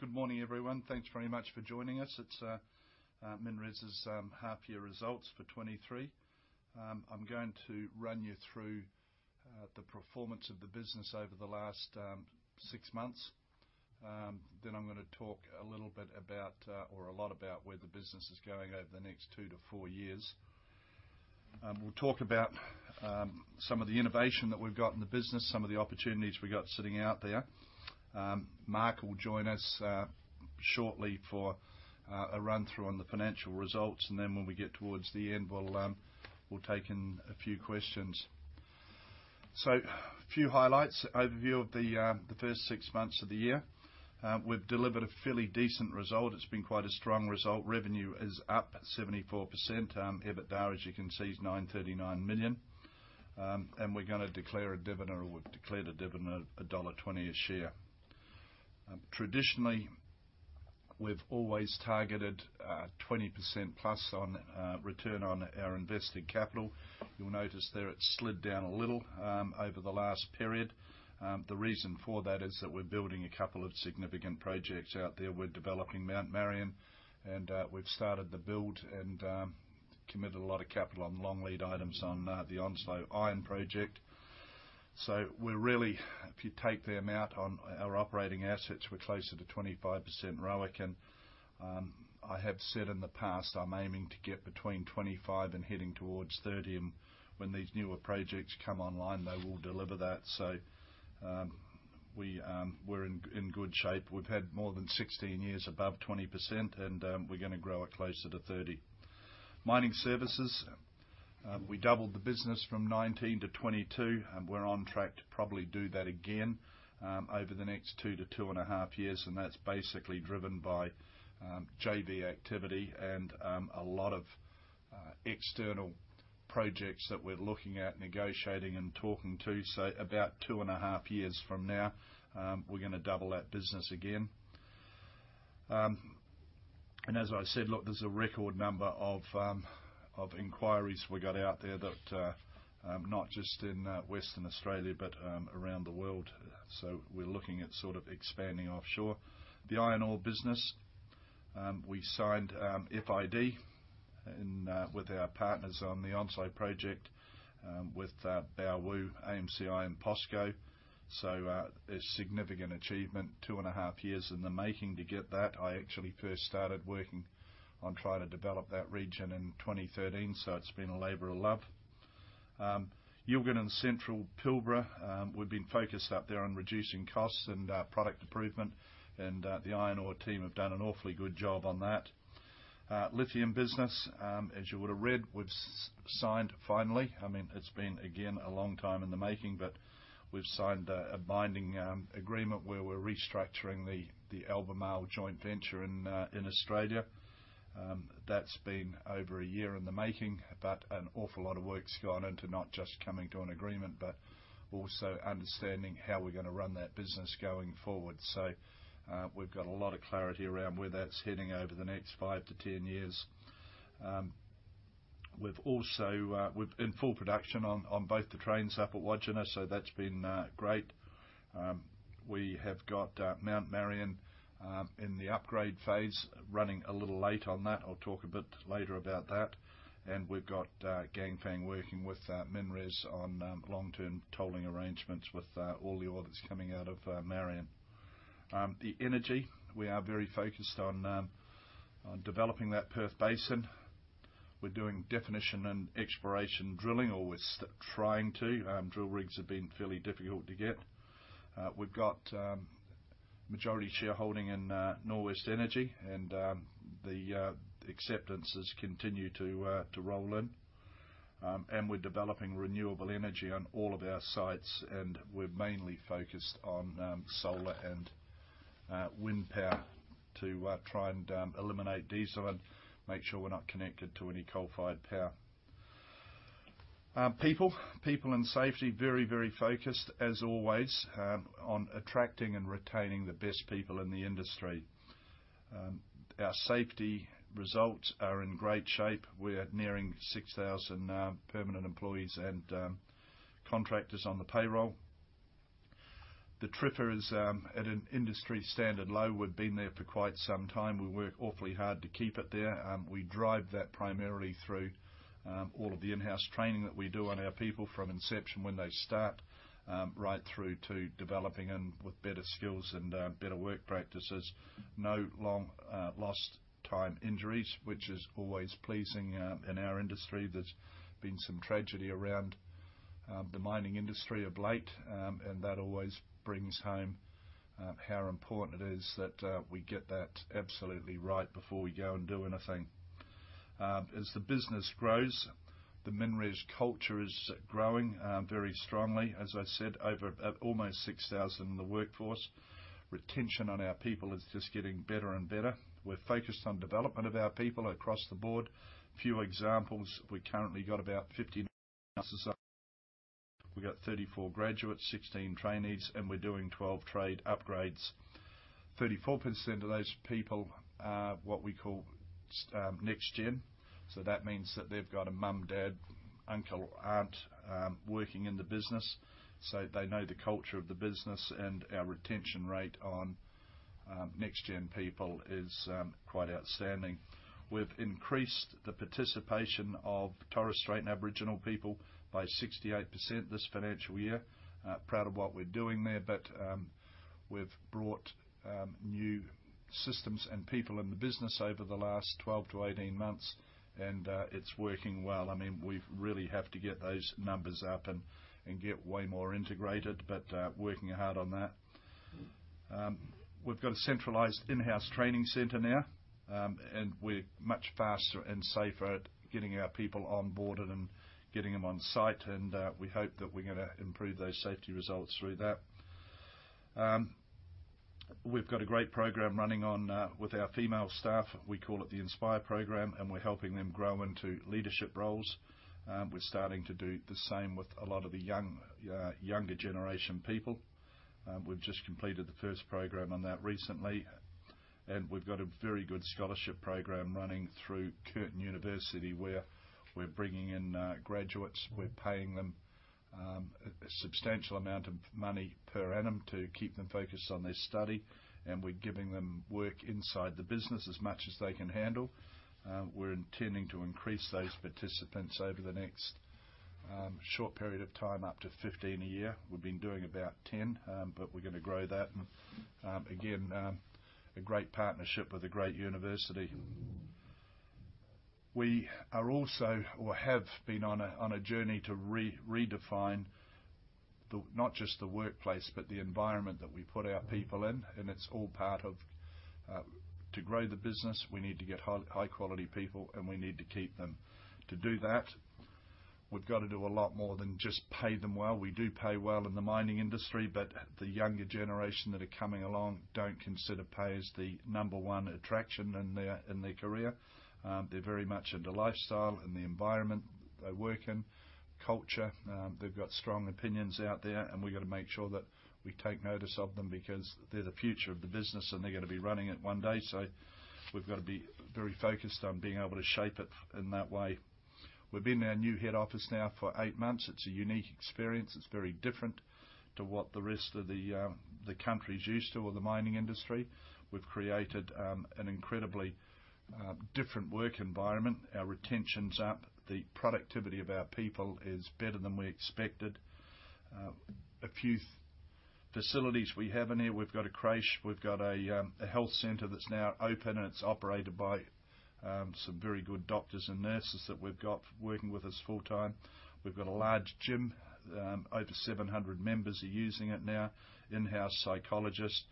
Good morning, everyone. Thanks very much for joining us. It's MinRes's half-year results for 2023. I'm gonna run you through the performance of the business over the last six months. I'm gonna talk a little bit about or a lot about where the business is going over the next two to four years. We'll talk about some of the innovation that we've got in the business, some of the opportunities we've got sitting out there. Mark will join us shortly for a run-through on the financial results. When we get towards the end, we'll take in a few questions. A few highlights. Overview of the first six months of the year. We've delivered a fairly decent result. It's been quite a strong result. Revenue is up 74%. EBITDA, as you can see, is 939 million. We're gonna declare a dividend, or we've declared a dividend dollar 1.20 a share. Traditionally, we've always targeted 20% plus on return on our invested capital. You'll notice there it's slid down a little over the last period. The reason for that is that we're building a couple of significant projects out there. We're developing Mount Marion, we've started the build and committed a lot of capital on long lead items on the Onslow Iron project. If you take the amount on our operating assets, we're closer to 25% ROIC. I have said in the past, I'm aiming to get between 25 and heading towards 30. When these newer projects come online, they will deliver that. We're in good shape. We've had more than 16 years above 20%, and we're gonna grow it closer to 30%. Mining services. We doubled the business from 2019-2022, and we're on track to probably do that again over the next 2-2.5 years, and that's basically driven by JV activity and a lot of external projects that we're looking at negotiating and talking to. About 2.5 years from now, we're gonna double that business again. As I said, look, there's a record number of inquiries we got out there that not just in Western Australia but around the world. We're looking at sort of expanding offshore. The iron ore business. We signed FID with our partners on the Onslow project with Baowu, AMCI and POSCO. It's a significant achievement, 2.5 years in the making to get that. I actually first started working on trying to develop that region in 2013, it's been a labor of love. Yilgarn and Central Pilbara. We've been focused up there on reducing costs and product improvement. The iron ore team have done an awfully good job on that. Lithium business. As you would have read, we've signed finally. I mean, it's been, again, a long time in the making, but we've signed a binding agreement where we're restructuring the Albemarle joint venture in Australia. That's been over a year in the making, an awful lot of work's gone into not just coming to an agreement, but also understanding how we're gonna run that business going forward. We've got a lot of clarity around where that's heading over the next five to 10 years. We've also, we're in full production on both the trains up at Wodgina, that's been great. We have got Mount Marion in the upgrade phase, running a little late on that. I'll talk a bit later about that. We've got Ganfeng working with MinRes on long-term tolling arrangements with all the ore that's coming out of Marion. The energy. We are very focused on developing that Perth Basin. We're doing definition and exploration drilling, or we're trying to. Drill rigs have been fairly difficult to get. We've got majority shareholding in Norwest Energy, and the acceptances continue to roll in. We're developing renewable energy on all of our sites, and we're mainly focused on solar and wind power to try and eliminate diesel and make sure we're not connected to any coal-fired power. People. People and safety, very, very focused, as always, on attracting and retaining the best people in the industry. Our safety results are in great shape. We're nearing 6,000 permanent employees and contractors on the payroll. The TRIR is at an industry standard low. We've been there for quite some time. We work awfully hard to keep it there. We drive that primarily through all of the in-house training that we do on our people from inception, when they start, right through to developing and with better skills and better work practices. No long lost time injuries, which is always pleasing in our industry. There's been some tragedy around the mining industry of late. That always brings home how important it is that we get that absolutely right before we go and do anything. As the business grows, the MinRes culture is growing very strongly. As I said, over almost 6,000 in the workforce. Retention on our people is just getting better and better. We're focused on development of our people across the board. A few examples. We've currently got about 34 graduates, 16 trainees, and we're doing 12 trade upgrades. 34% of those people are what we call next gen. That means that they've got a mum, dad, uncle, aunt, working in the business. They know the culture of the business and our retention rate on next gen people is quite outstanding. We've increased the participation of Torres Strait and Aboriginal people by 68% this financial year. Proud of what we're doing there, but we've brought new systems and people in the business over the last 12-18 months, and it's working well. I mean, we really have to get those numbers up and get way more integrated, but working hard on that. We've got a centralized in-house training center now, and we're much faster and safer at getting our people onboarded and getting them on site. We hope that we're gonna improve those safety results through that. We've got a great program running on with our female staff. We call it the Inspire program, and we're helping them grow into leadership roles. We're starting to do the same with a lot of the young, younger generation people. We've just completed the first program on that recently. We've got a very good scholarship program running through Curtin University, where we're bringing in graduates. We're paying them a substantial amount of money per annum to keep them focused on their study, and we're giving them work inside the business as much as they can handle. We're intending to increase those participants over the next short period of time, up to 15 a year. We've been doing about 10, we're gonna grow that. Again, a great partnership with a great university. We are also or have been on a journey to redefine the, not just the workplace, but the environment that we put our people in, it's all part of to grow the business, we need to get high quality people, and we need to keep them. To do that, we've got to do a lot more than just pay them well. We do pay well in the mining industry, the younger generation that are coming along don't consider pay as the number one attraction in their career. They're very much into lifestyle and the environment they work in, culture. They've got strong opinions out there, and we've got to make sure that we take notice of them because they're the future of the business, and they're gonna be running it one day. We've got to be very focused on being able to shape it in that way. We've been in our new head office now for eight months. It's a unique experience. It's very different to what the rest of the country's used to or the mining industry. We've created an incredibly different work environment. Our retention's up. The productivity of our people is better than we expected. A few facilities we have in here, we've got a creche. We've got a health center that's now open, and it's operated by some very good doctors and nurses that we've got working with us full time. We've got a large gym. Over 700 members are using it now. In-house psychologist,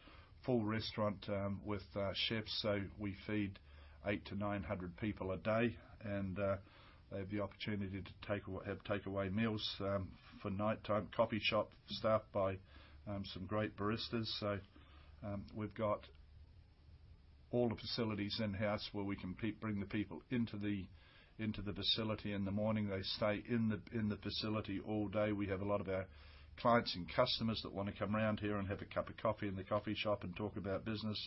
full restaurant, with chefs. We feed 800-900 people a day, and they have the opportunity to take away, have takeaway meals for nighttime. Coffee shop staffed by some great baristas. We've got all the facilities in-house where we can bring the people into the facility in the morning. They stay in the facility all day. We have a lot of our clients and customers that wanna come around here and have a cup of coffee in the coffee shop and talk about business.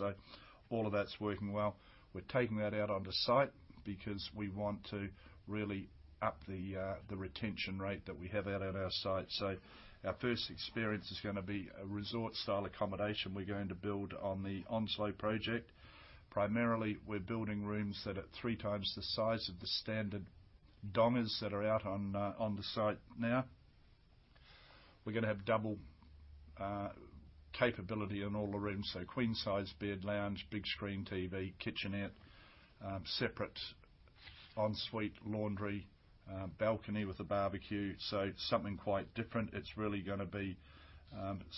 All of that's working well. We're taking that out onto site because we want to really up the retention rate that we have out at our site. Our first experience is gonna be a resort-style accommodation we're going to build on the Onslow project. Primarily, we're building rooms that are three times the size of the standard dongas that are out on the site now. We're gonna have double capability in all the rooms, so queen-size bed, lounge, big screen TV, kitchenette, separate ensuite, laundry, balcony with a barbecue. Something quite different. It's really gonna be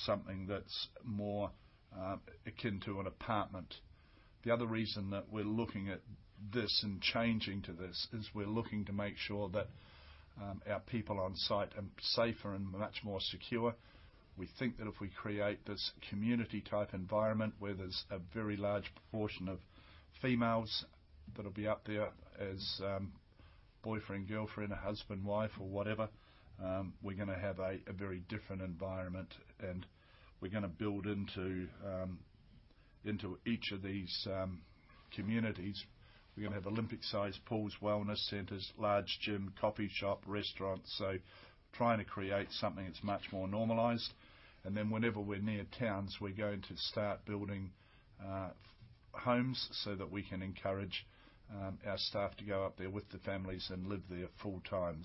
something that's more akin to an apartment. The other reason that we're looking at this and changing to this is we're looking to make sure that our people on site are safer and much more secure. We think that if we create this community-type environment where there's a very large proportion of females that'll be up there as boyfriend, girlfriend, a husband, wife or whatever, we're gonna have a very different environment. We're gonna build into each of these communities. We're gonna have Olympic-size pools, wellness centers, large gym, coffee shop, restaurants. Trying to create something that's much more normalized. Whenever we're near towns, we're going to start building homes so that we can encourage our staff to go up there with the families and live there full time.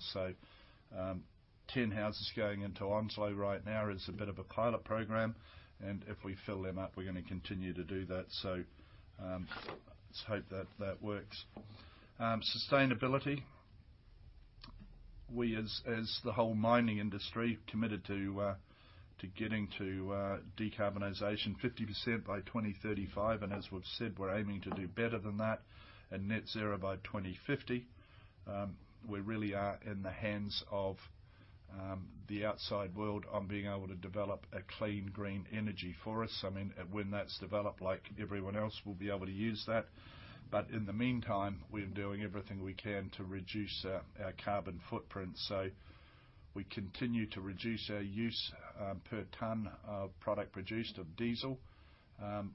10 houses going into Onslow right now is a bit of a pilot program, and if we fill them up, we're gonna continue to do that. Let's hope that that works. Sustainability. We as the whole mining industry committed to getting to decarbonization 50% by 2035. As we've said, we're aiming to do better than that and net zero by 2050. We really are in the hands of the outside world on being able to develop a clean, green energy for us. I mean, when that's developed, like everyone else, we'll be able to use that. In the meantime, we're doing everything we can to reduce our carbon footprint. We continue to reduce our use per ton of product produced of diesel.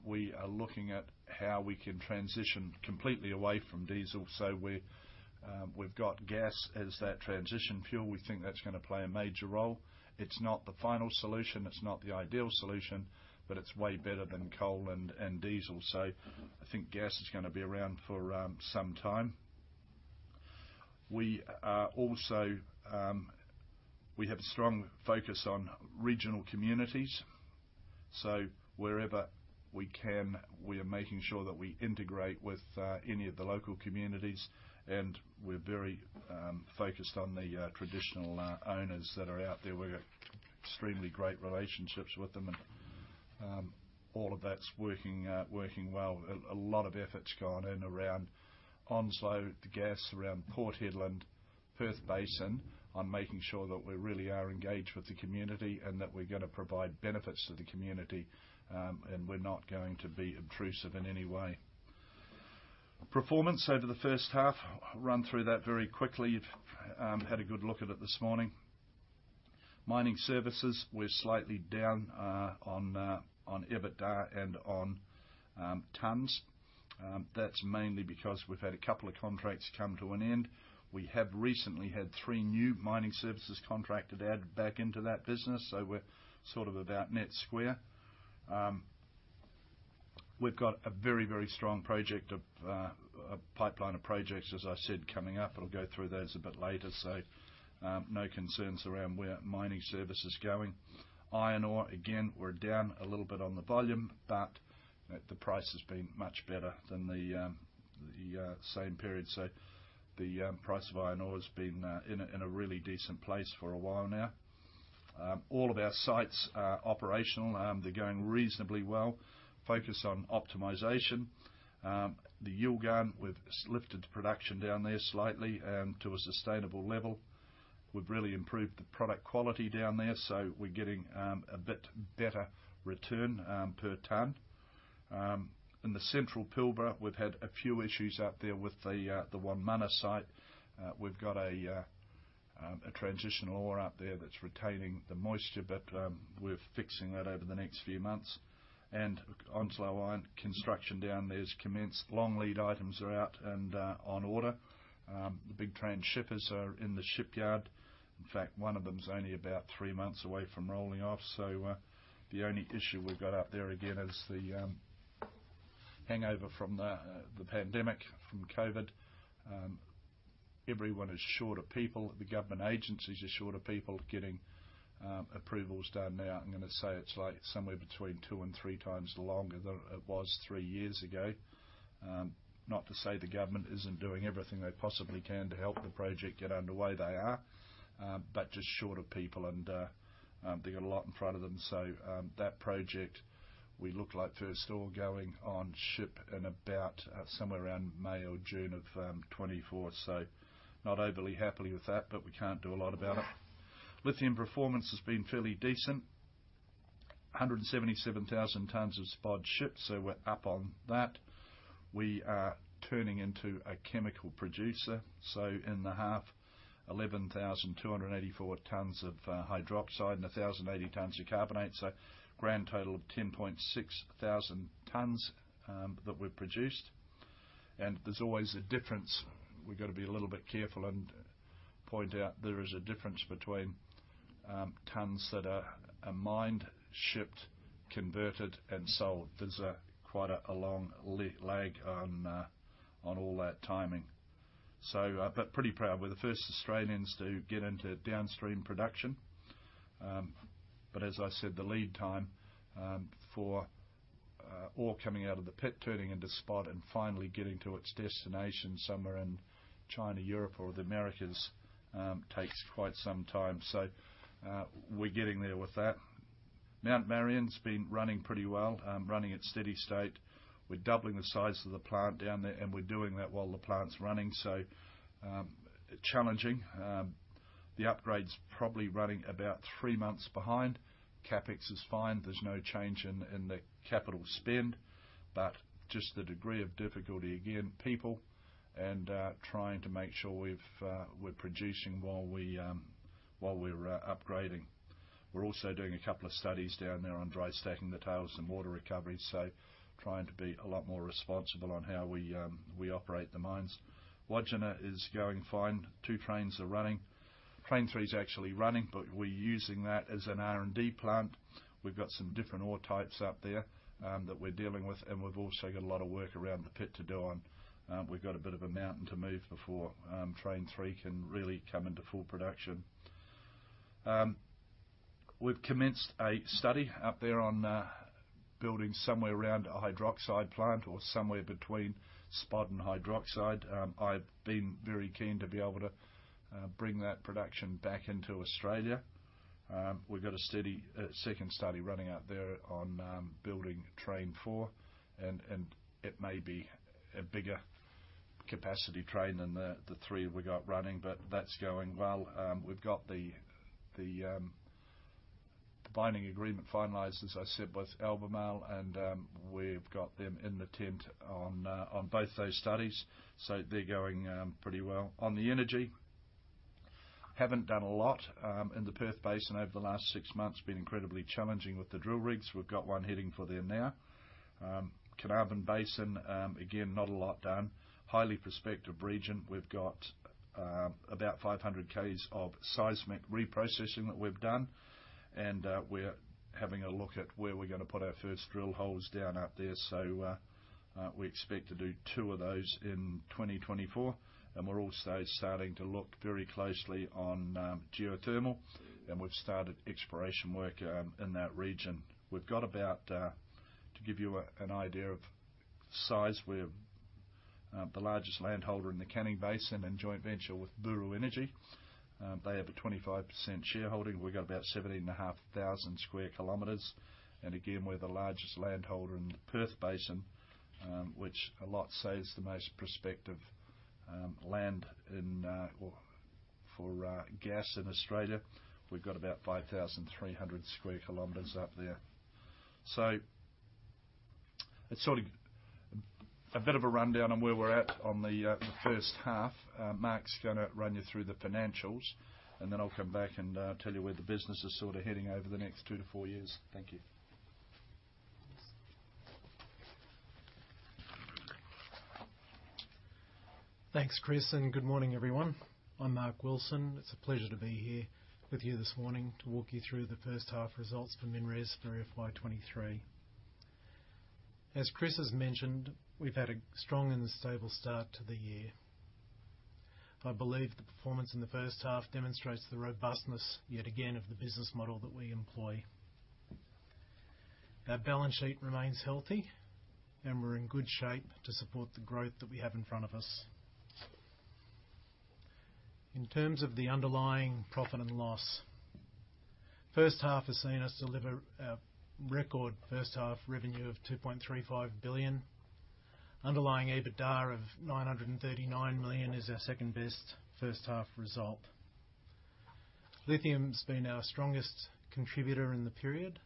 We are looking at how we can transition completely away from diesel. We've got gas as that transition fuel. We think that's gonna play a major role. It's not the final solution, it's not the ideal solution, it's way better than coal and diesel. I think gas is gonna be around for some time. We are also. We have a strong focus on regional communities, so wherever we can, we are making sure that we integrate with any of the local communities, and we're very focused on the traditional owners that are out there. We've got extremely great relationships with them, all of that's working well. A lot of effort's gone in around Onslow, the gas around Port Hedland, Perth Basin, on making sure that we really are engaged with the community, and that we're gonna provide benefits to the community, we're not going to be obtrusive in any way. Performance over the first half. I'll run through that very quickly. Had a good look at it this morning. Mining services, we're slightly down on EBITDA and on tons. That's mainly because we've had a couple of contracts come to an end. We have recently had three new mining services contracted to add back into that business, so we're sort of about net square. We've got a very, very strong project of a pipeline of projects, as I said, coming up. I'll go through those a bit later. No concerns around where mining services is going. Iron ore, again, we're down a little bit on the volume, but the price has been much better than the same period. The price of iron ore has been in a really decent place for a while now. All of our sites are operational. They're going reasonably well. Focused on optimization. The Yilgarn, we've lifted production down there slightly to a sustainable level. We've really improved the product quality down there, so we're getting a bit better return per ton. In the Central Pilbara, we've had a few issues out there with the Wonmunna site. We've got a transition ore out there that's retaining the moisture. We're fixing that over the next few months. Onslow Iron, construction down there is commenced. Long lead items are out and on order. The big transhippers are in the shipyard. In fact, one of them's only about three months away from rolling off. The only issue we've got up there again is the hangover from the pandemic, from COVID. Everyone is short of people. The government agencies are short of people. Getting approvals done now, I'm gonna say it's like somewhere between two and three times longer than it was three years ago. Not to say the government isn't doing everything they possibly can to help the project get underway. They are. Just short of people and they've got a lot in front of them. That project we look like first ore going on ship in about somewhere around May or June of 2024. Not overly happy with that, but we can't do a lot about it. Lithium performance has been fairly decent. 177,000 tons of spodumene shipped, so we're up on that. We are turning into a chemical producer. In the half, 11,284 tons of hydroxide and 1,080 tons of carbonate. Grand total of 10.6 thousand tons that we've produced. There's always a difference. We've got to be a little bit careful and point out there is a difference between tons that are mined, shipped, converted and sold. There's quite a long lag on all that timing. Pretty proud. We're the first Australians to get into downstream production. As I said, the lead time for ore coming out of the pit, turning into spod, and finally getting to its destination somewhere in China, Europe or the Americas, takes quite some time. We're getting there with that. Mount Marion's been running pretty well, running at steady state. We're doubling the size of the plant down there, and we're doing that while the plant's running. Challenging. The upgrade's probably running about 3 months behind. CapEx is fine. There's no change in the capital spend. Just the degree of difficulty, again, people and trying to make sure we're producing while we're upgrading. We're also doing a couple of studies down there on dry stacking the tails and water recovery. Trying to be a lot more responsible on how we operate the mines. Wodgina is going fine. Two trains are running. Train three is actually running, but we're using that as an R&D plant. We've got some different ore types up there that we're dealing with, and we've also got a lot of work around the pit to do on. We've got a bit of a mountain to move before train three can really come into full production. We've commenced a study up there on building somewhere around a hydroxide plant or somewhere between spodumene and hydroxide. I've been very keen to be able to bring that production back into Australia. We've got a steady second study running out there on building train four. It may be a bigger capacity train than the three we got running, but that's going well. The binding agreement finalized, as I said, with Albemarle, and we've got them in the tent on both those studies. They're going pretty well. On the energy, haven't done a lot in the Perth Basin over the last six months. Been incredibly challenging with the drill rigs. We've got one heading for there now. Carnarvon Basin, again, not a lot done. Highly prospective region. We've got about 500 Ks of seismic reprocessing that we've done. We're having a look at where we're gonna put our first drill holes down out there. We expect to do two of those in 2024, and we're also starting to look very closely on geothermal, and we've started exploration work in that region. We've got about to give you an idea of size, we're the largest land holder in the Canning Basin in joint venture with Buru Energy. They have a 25% shareholding. We've got about 17,500 square kilometers. Again, we're the largest land holder in the Perth Basin, which a lot say is the most prospective land in or for gas in Australia. We've got about 5,300 sq km up there. It's sort of a bit of a rundown on where we're at on the first half. Mark's gonna run you through the financials, then I'll come back and tell you where the business is sort of heading over the next two to four years. Thank you. Thanks, Chris, and good morning, everyone. I'm Mark Wilson. It's a pleasure to be here with you this morning to walk you through the first half results for MinRes through FY23. As Chris has mentioned, we've had a strong and stable start to the year. I believe the performance in the first half demonstrates the robustness, yet again, of the business model that we employ. Our balance sheet remains healthy, and we're in good shape to support the growth that we have in front of us. In terms of the underlying profit and loss, first half has seen us deliver a record first half revenue of 2.35 billion. Underlying EBITDA of 939 million is our second best first half result. Lithium's been our strongest contributor in the period,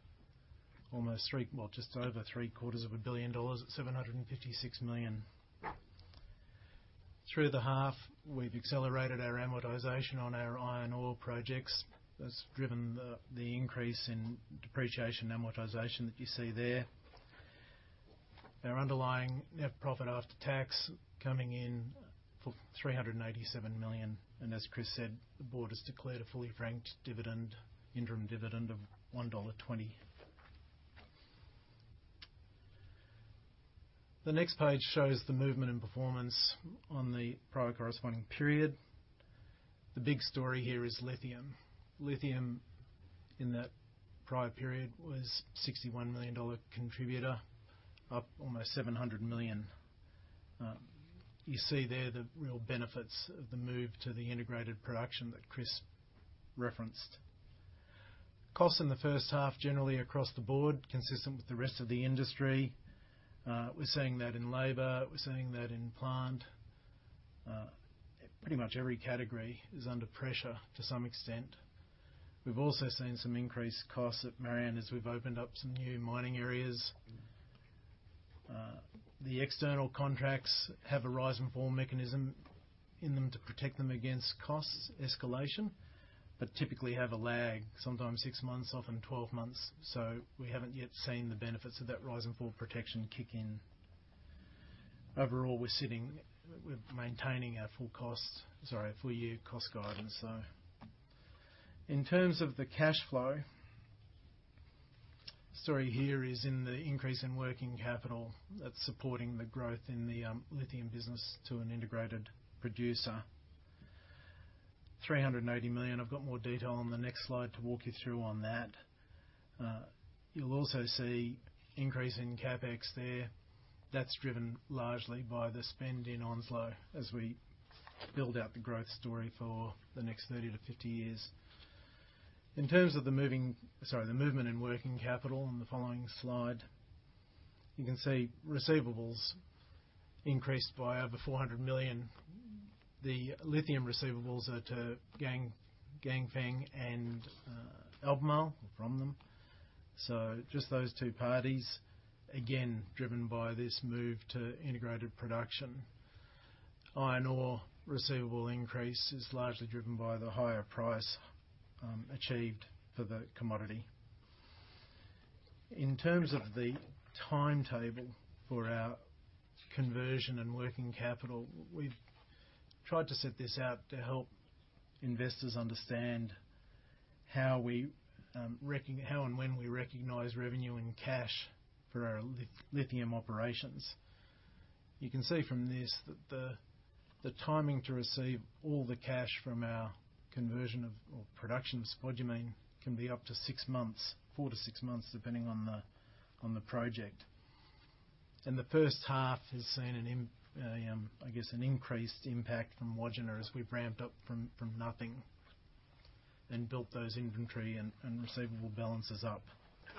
almost three. Just over three quarters of a billion AUD at 756 million. Through the half, we've accelerated our amortization on our iron ore projects. That's driven the increase in depreciation amortization that you see there. Our underlying net profit after tax coming in for 387 million, as Chris said, the board has declared a fully franked dividend, interim dividend of 1.20 dollar. The next page shows the movement and performance on the prior corresponding period. The big story here is lithium. Lithium in that prior period was a 61 million dollar contributor, up almost 700 million. You see there the real benefits of the move to the integrated production that Chris referenced. Costs in the first half, generally across the board, consistent with the rest of the industry. We're seeing that in labor. We're seeing that in plant. Pretty much every category is under pressure to some extent. We've also seen some increased costs at Marillana as we've opened up some new mining areas. The external contracts have a rise and fall mechanism in them to protect them against costs escalation, but typically have a lag, sometimes six months, often 12 months, so we haven't yet seen the benefits of that rise and fall protection kick in. Overall, we're maintaining our full costs... Sorry, full year cost guidance. In terms of the cash flow, the story here is in the increase in working capital that's supporting the growth in the lithium business to an integrated producer. 380 million. I've got more detail on the next slide to walk you through on that. You'll also see increase in CapEx there. That's driven largely by the spend in Onslow as we build out the growth story for the next 30-50 years. In terms of the movement in working capital in the following slide, you can see receivables increased by over 400 million. The lithium receivables are to Ganfeng and Albemarle, from them. Just those two parties, again, driven by this move to integrated production. Iron ore receivable increase is largely driven by the higher price achieved for the commodity. In terms of the timetable for our conversion and working capital, we've tried to set this out to help investors understand how we How and when we recognize revenue and cash for our lithium operations. You can see from this that the timing to receive all the cash from our conversion or production of spodumene can be up to six months, four to six months, depending on the project. The first half has seen an increased impact from Wodgina as we've ramped up from nothing and built those inventory and receivable balances up.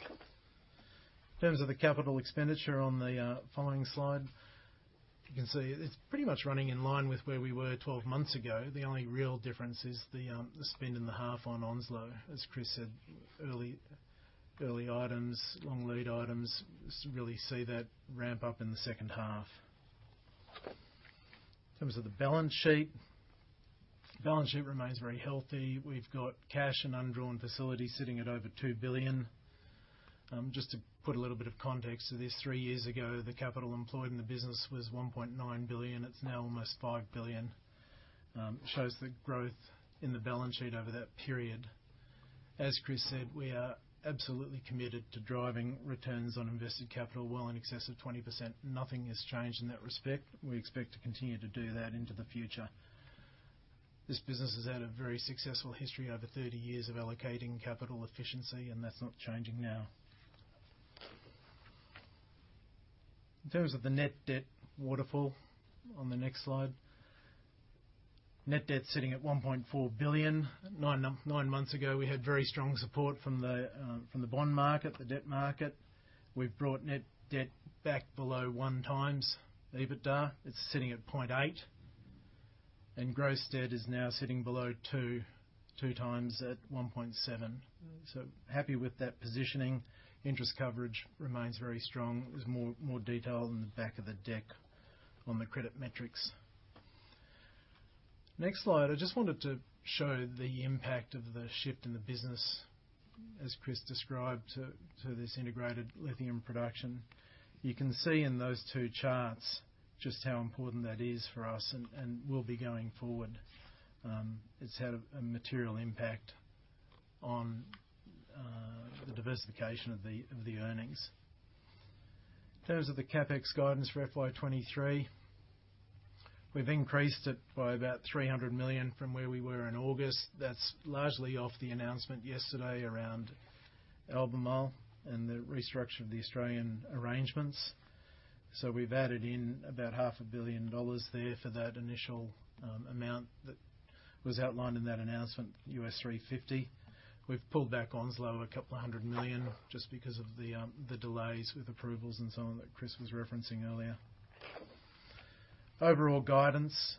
In terms of the capital expenditure on the following slide, you can see it's pretty much running in line with where we were 12 months ago. The only real difference is the spend in the half on Onslow. As Chris said, early items, long lead items, really see that ramp up in the second half. In terms of the balance sheet, balance sheet remains very healthy. We've got cash and undrawn facilities sitting at over 2 billion. Just to put a little bit of context to this, three years ago, the capital employed in the business was 1.9 billion. It's now almost 5 billion. It shows the growth in the balance sheet over that period. As Chris said, we are absolutely committed to driving returns on invested capital well in excess of 20%. Nothing has changed in that respect. We expect to continue to do that into the future. This business has had a very successful history over 30 years of allocating capital efficiency. That's not changing now. In terms of the net debt waterfall on the next slide, net debt's sitting at 1.4 billion. Nine months ago, we had very strong support from the bond market, the debt market. We've brought net debt back below one times EBITDA. It's sitting at 0.8, and gross debt is now sitting below two times at 1.7. Happy with that positioning. Interest coverage remains very strong. There's more detail in the back of the deck on the credit metrics. Next slide, I just wanted to show the impact of the shift in the business as Chris described to this integrated lithium production. You can see in those two charts just how important that is for us and will be going forward. It's had a material impact on the diversification of the earnings. In terms of the CapEx guidance for FY 2023, we've increased it by about 300 million from where we were in August. That's largely off the announcement yesterday around Albemarle and the restructure of the Australian arrangements. We've added in about half a billion dollars there for that initial amount that was outlined in that announcement, $350 million. We've pulled back Onslow 200 million just because of the delays with approvals and so on that Chris was referencing earlier. Overall guidance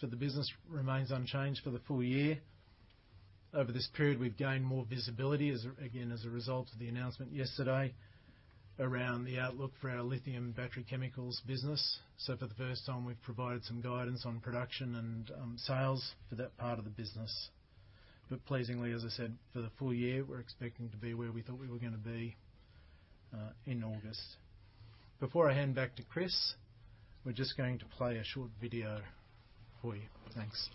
for the business remains unchanged for the full year. Over this period, we've gained more visibility as, again, as a result of the announcement yesterday around the outlook for our lithium battery chemicals business. For the first time, we've provided some guidance on production and sales for that part of the business. Pleasingly, as I said, for the full year, we're expecting to be where we thought we were gonna be in August. Before I hand back to Chris, we're just going to play a short video for you. Thanks.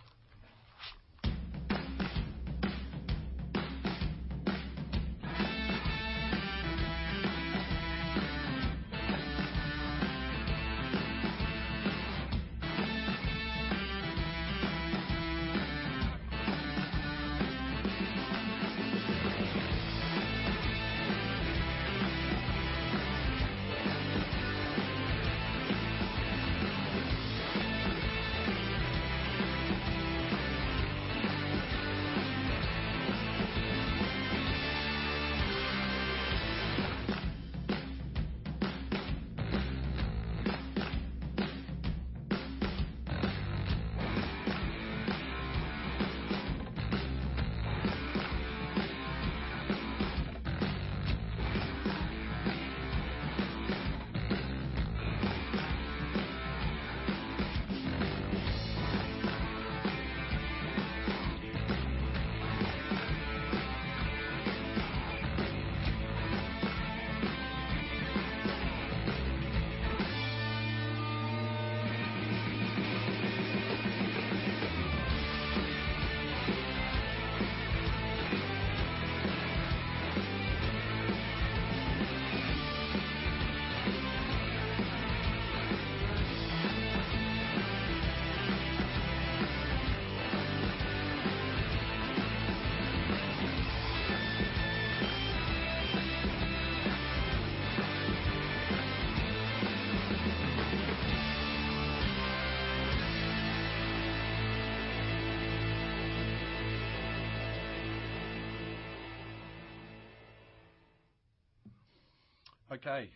Okay.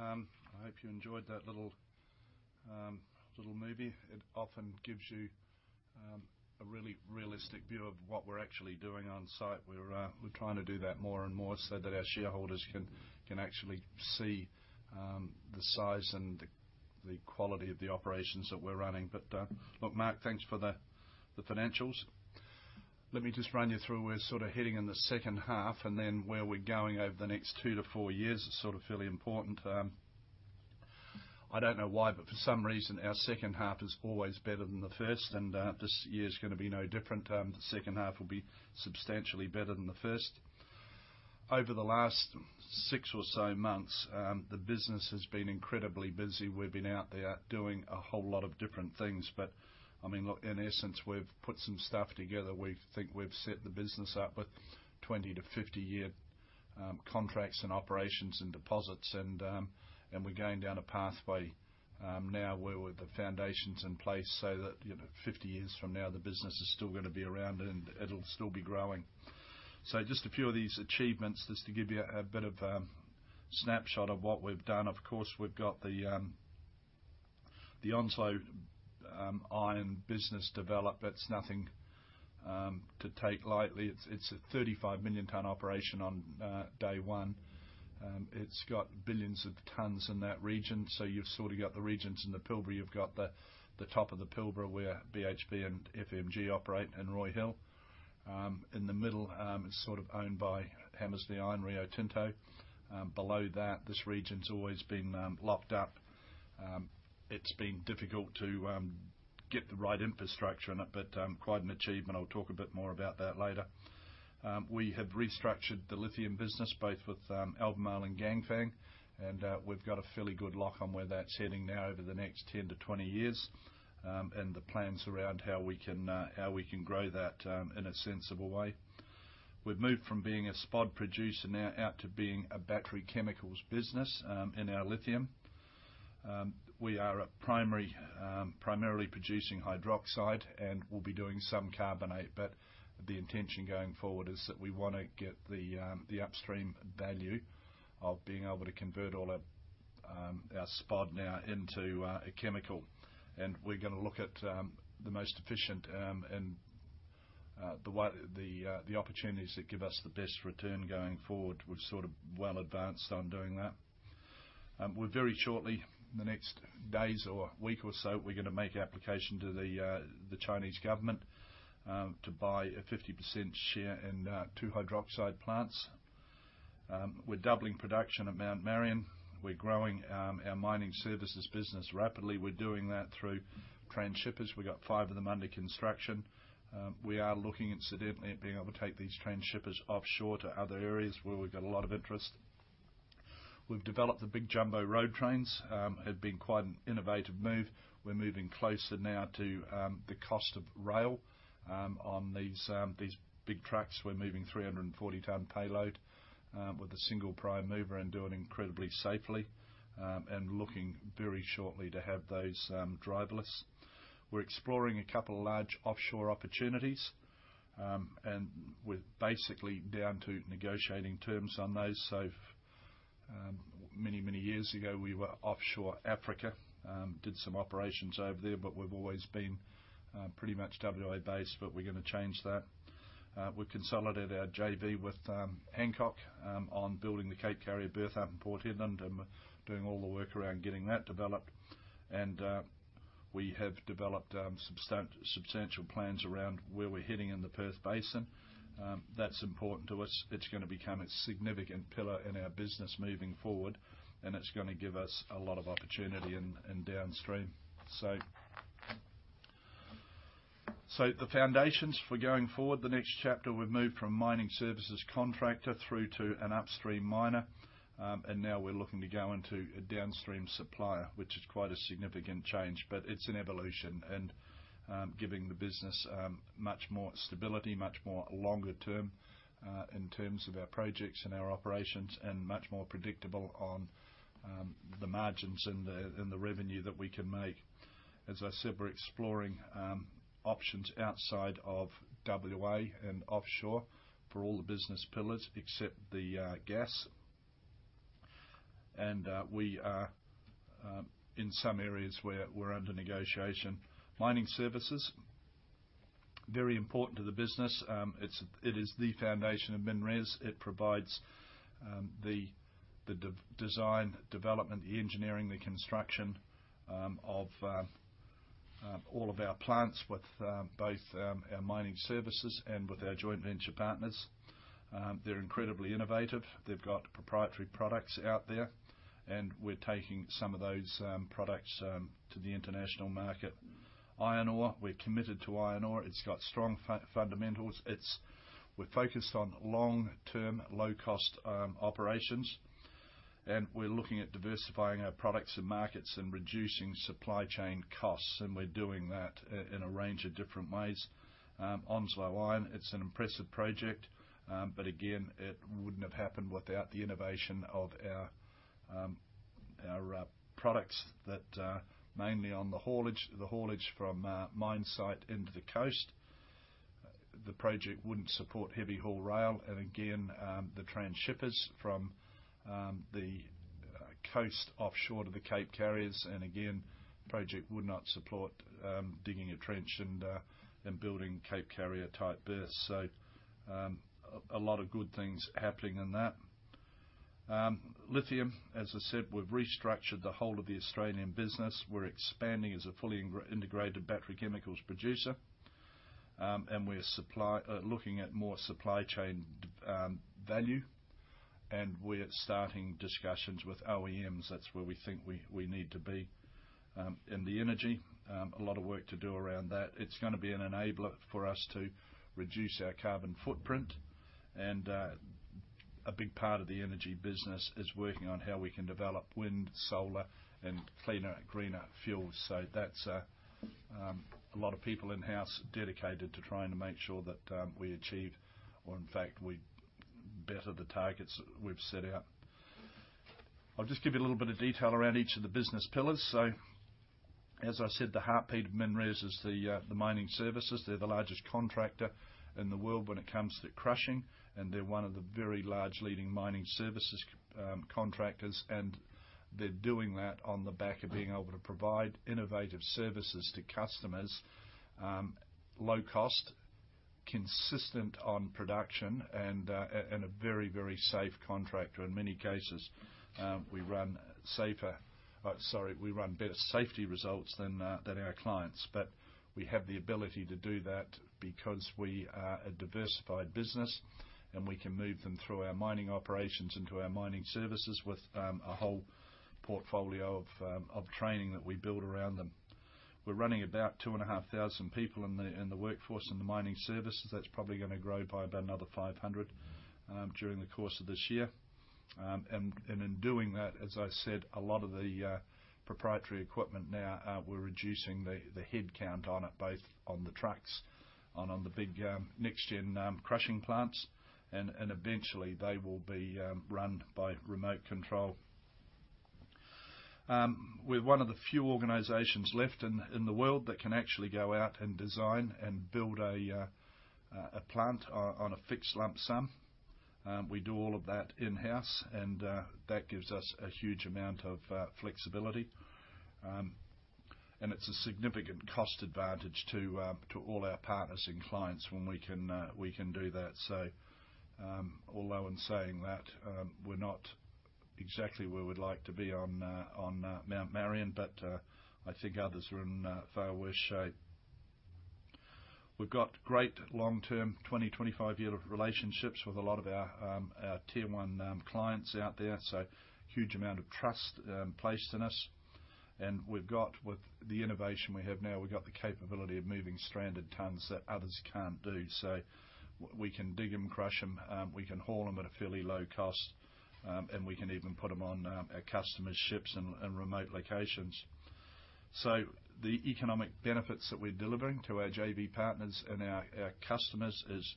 I hope you enjoyed that little movie. It often gives you a really realistic view of what we're actually doing on site. We're trying to do that more and more so that our shareholders can actually see the size and the quality of the operations that we're running. Look, Mark, thanks for the financials. Let me just run you through where we're sort of heading in the second half, where we're going over the next two to four years is sort of fairly important. I don't know why, for some reason, our second half is always better than the first, this year is gonna be no different. The second half will be substantially better than the first. Over the last six or so months, the business has been incredibly busy. We've been out there doing a whole lot of different things. I mean, look, in essence, we've put some stuff together. We think we've set the business up with 20-50-year contracts in operations and deposits. We're going down a pathway now where with the foundations in place so that, you know, 50 years from now, the business is still gonna be around, and it'll still be growing. Just a few of these achievements, just to give you a bit of a snapshot of what we've done. Of course, we've got the Onslow iron business develop, that's nothing to take lightly. It's a 35 million ton operation on day one. It's got billions of tons in that region. You've sort of got the regions in the Pilbara. You've got the top of the Pilbara, where BHP and FMG operate in Roy Hill. In the middle, it's sort of owned by Hamersley Iron, Rio Tinto. Below that, this region's always been locked up. It's been difficult to get the right infrastructure in it, but quite an achievement. I'll talk a bit more about that later. We have restructured the lithium business both with Albemarle and Ganfeng, and we've got a fairly good lock on where that's heading now over the next 10-20 years. And the plans around how we can how we can grow that in a sensible way. We've moved from being a spod producer now out to being a battery chemicals business in our lithium. We are a primary, primarily producing hydroxide, and we'll be doing some carbonate. The intention going forward is that we wanna get the upstream value of being able to convert all our spod now into a chemical. We're gonna look at the most efficient and the opportunities that give us the best return going forward. We're sort of well advanced on doing that. We're very shortly, in the next days or week or so, we're gonna make application to the Chinese government to buy a 50% share in two hydroxide plants. We're doubling production at Mount Marion. We're growing our mining services business rapidly. We're doing that through transhippers. We've got five of them under construction. We are looking incidentally at being able to take these transhippers offshore to other areas where we've got a lot of interest. We've developed the big jumbo road trains. It had been quite an innovative move. We're moving closer now to the cost of rail on these big trucks. We're moving 340 ton payload with a single prime mover and do it incredibly safely. And looking very shortly to have those driverless. We're exploring a couple of large offshore opportunities, and we're basically down to negotiating terms on those. Many, many years ago, we were offshore Africa. Did some operations over there, but we've always been pretty much WA based, but we're gonna change that. We consolidated our JV with Hancock on building the Cape Carrier berth out in Port Hedland and doing all the work around getting that developed. We have developed substantial plans around where we're heading in the Perth Basin. That's important to us. It's gonna become a significant pillar in our business moving forward, and it's gonna give us a lot of opportunity in downstream. The foundations for going forward, the next chapter, we've moved from mining services contractor through to an upstream miner. Now we're looking to go into a downstream supplier, which is quite a significant change, but it's an evolution. Giving the business much more stability, much more longer term in terms of our projects and our operations, and much more predictable on the margins and the revenue that we can make. As I said, we're exploring options outside of WA and offshore for all the business pillars except the gas. We are in some areas where we're under negotiation. Mining services, very important to the business. It is the foundation of MinRes. It provides the design, development, the engineering, the construction of all of our plants with both our mining services and with our joint venture partners. They're incredibly innovative. They've got proprietary products out there, and we're taking some of those products to the international market. Iron ore, we're committed to iron ore. It's got strong fundamentals. It's, we're focused on long-term, low-cost operations. We're looking at diversifying our products and markets and reducing supply chain costs. We're doing that in a range of different ways. Onslow Iron, it's an impressive project. But again, it wouldn't have happened without the innovation of our products that mainly on the haulage, the haulage from mine site into the coast. The project wouldn't support heavy-haul rail, again, the transhippers from the coast offshore to the Cape Carriers. Again, project would not support digging a trench and building Cape Carrier-type berths. A lot of good things happening in that. Lithium, as I said, we've restructured the whole of the Australian business. We're expanding as a fully integrated battery chemicals producer. We're supply looking at more supply chain value. We're starting discussions with OEMs. That's where we think we need to be. In the energy, a lot of work to do around that. It's gonna be an enabler for us to reduce our carbon footprint. A big part of the energy business is working on how we can develop wind, solar, and cleaner and greener fuels. That's a lot of people in-house dedicated to trying to make sure that we achieve or, in fact, we better the targets we've set out. I'll just give you a little bit of detail around each of the business pillars. As I said, the heartbeat of MinRes is the mining services. They're the largest contractor in the world when it comes to crushing, they're one of the very large leading mining services contractors. They're doing that on the back of being able to provide innovative services to customers, low cost, consistent on production and a very, very safe contractor. In many cases, we run better safety results than our clients. We have the ability to do that because we are a diversified business, and we can move them through our mining operations into our mining services with a whole portfolio of training that we build around them. We're running about 2,500 people in the workforce in the mining services. That's probably gonna grow by about another 500 during the course of this year. In doing that, as I said, a lot of the proprietary equipment now, we're reducing the headcount on it, both on the trucks and on the big next-gen crushing plants. Eventually, they will be run by remote control. We're one of the few organizations left in the world that can actually go out and design and build a plant on a fixed lump sum. We do all of that in-house, that gives us a huge amount of flexibility. It's a significant cost advantage to all our partners and clients when we can do that. Although in saying that, we're not exactly where we'd like to be on Mount Marion, I think others are in far worse shape. We've got great long-term 20-25 year relationships with a lot of our Tier 1 clients out there, a huge amount of trust placed in us. We've got, with the innovation we have now, we've got the capability of moving stranded tons that others can't do. We can dig them, crush them, we can haul them at a fairly low cost, and we can even put them on our customers' ships in remote locations. The economic benefits that we're delivering to our JV partners and our customers is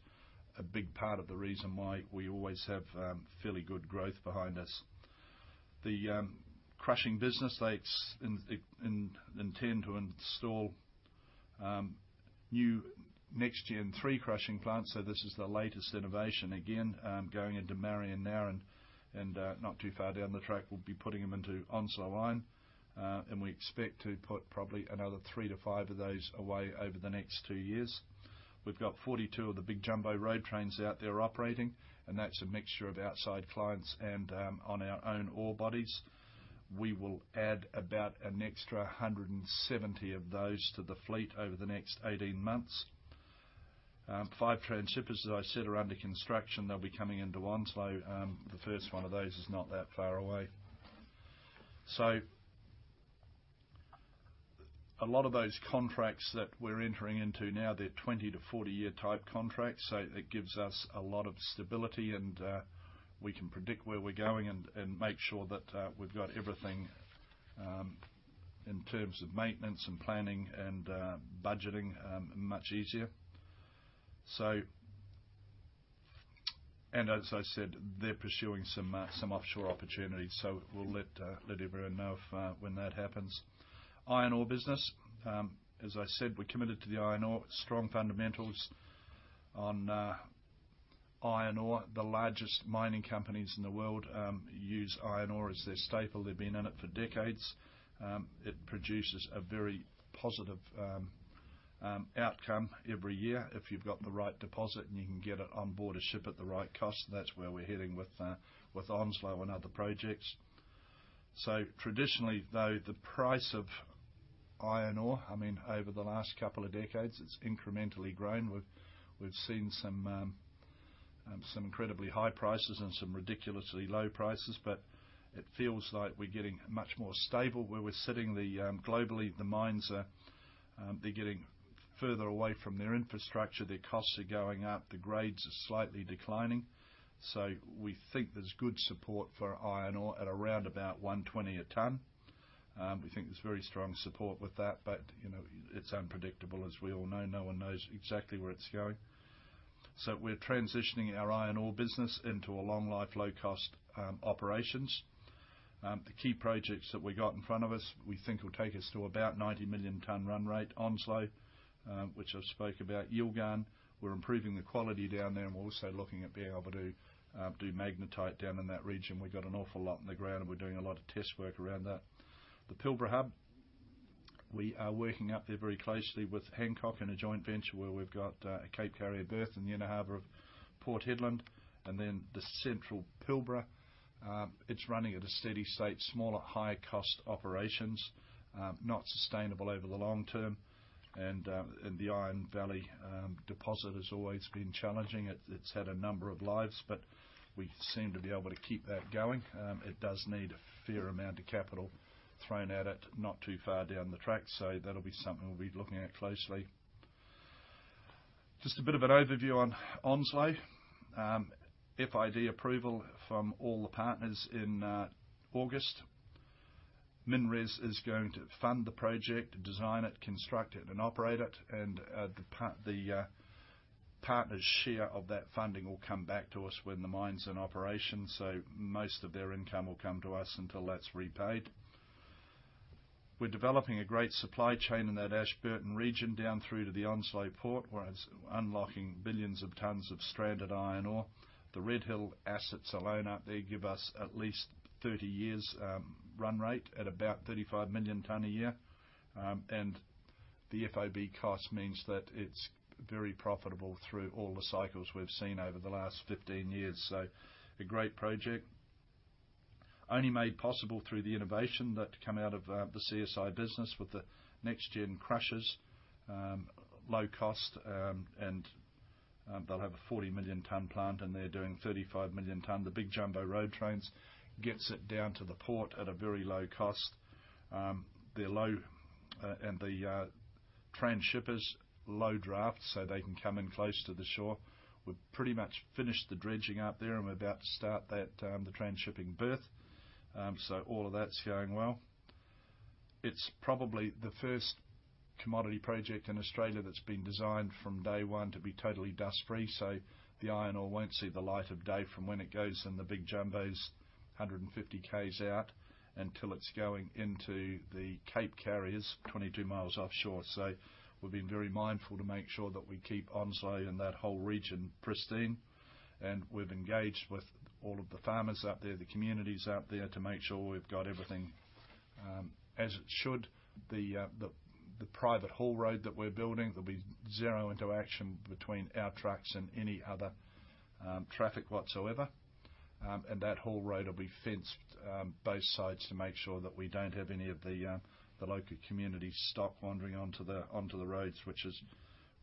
a big part of the reason why we always have fairly good growth behind us. The crushing business, they intend to install new NextGen three crushing plants. This is the latest innovation, again, going into Marion now not too far down the track, we'll be putting them into Onslow Iron. We expect to put probably another three to five of those away over the next two years. We've got 42 of the big jumbo road trains out there operating, and that's a mixture of outside clients and on our own ore bodies. We will add about an extra 170 of those to the fleet over the next 18 months. Five transhippers, as I said, are under construction. They'll be coming into Onslow. The first one of those is not that far away. A lot of those contracts that we're entering into now, they're 20-40 year type contracts, so it gives us a lot of stability. We can predict where we're going and make sure that we've got everything in terms of maintenance and planning and budgeting much easier. As I said, they're pursuing some offshore opportunities, so we'll let everyone know if when that happens. Iron ore business. As I said, we're committed to the iron ore. Strong fundamentals on iron ore. The largest mining companies in the world use iron ore as their staple. They've been in it for decades. It produces a very positive outcome every year if you've got the right deposit, and you can get it on board a ship at the right cost. That's where we're heading with Onslow and other projects. Traditionally, though, the price of iron ore, I mean, over the last couple of decades, it's incrementally grown. We've seen some incredibly high prices and some ridiculously low prices. It feels like we're getting much more stable where we're sitting. Globally, the mines are, they're getting further away from their infrastructure. Their costs are going up. The grades are slightly declining. We think there's good support for iron ore at around about 120 a ton. We think there's very strong support with that, but, you know, it's unpredictable as we all know. No one knows exactly where it's going. We're transitioning our iron ore business into a long-life, low-cost operations. The key projects that we've got in front of us, we think will take us to about 90 million ton run rate. Onslow, which I spoke about. Yilgarn, we're improving the quality down there, we're also looking at being able to do magnetite down in that region. We've got an awful lot in the ground, we're doing a lot of test work around that. The Pilbara Hub, we are working up there very closely with Hancock in a joint venture where we've got a Cape Carrier berth in the inner harbor of Port Hedland. The central Pilbara, it's running at a steady state. Smaller, higher-cost operations. Not sustainable over the long term. The Iron Valley deposit has always been challenging. It's had a number of lives, but we seem to be able to keep that going. That'll be something we'll be looking at closely. Just a bit of an overview on Onslow. FID approval from all the partners in August. MinRes is going to fund the project, design it, construct it and operate it. The partner's share of that funding will come back to us when the mine's in operation. Most of their income will come to us until that's repaid. We're developing a great supply chain in that Ashburton region down through to the Onslow Port, where it's unlocking billions of tons of stranded iron ore. The Red Hill assets alone out there give us at least 30 years' run rate at about 35 million ton a year. The FOB cost means that it's very profitable through all the cycles we've seen over the last 15 years. A great project. Only made possible through the innovation that come out of the CSI business with the next-gen crushers, low cost, and they'll have a 40-million-ton plant, and they're doing 35 million ton. The big jumbo road trains gets it down to the port at a very low cost. They're low, and the transhippers, low draft, so they can come in close to the shore. We've pretty much finished the dredging out there and we're about to start that, the transhipping berth. All of that's going well. It's probably the first commodity project in Australia that's been designed from day one to be totally dust-free. The iron ore won't see the light of day from when it goes in the big jumbos 150 Ks out, until it's going into the Cape carriers 22 miles offshore. We've been very mindful to make sure that we keep Onslow and that whole region pristine. We've engaged with all of the farmers out there, the communities out there, to make sure we've got everything as it should. The private haul road that we're building, there'll be zero interaction between our trucks and any other traffic whatsoever. That haul road will be fenced both sides to make sure that we don't have any of the local community's stock wandering onto the roads, which is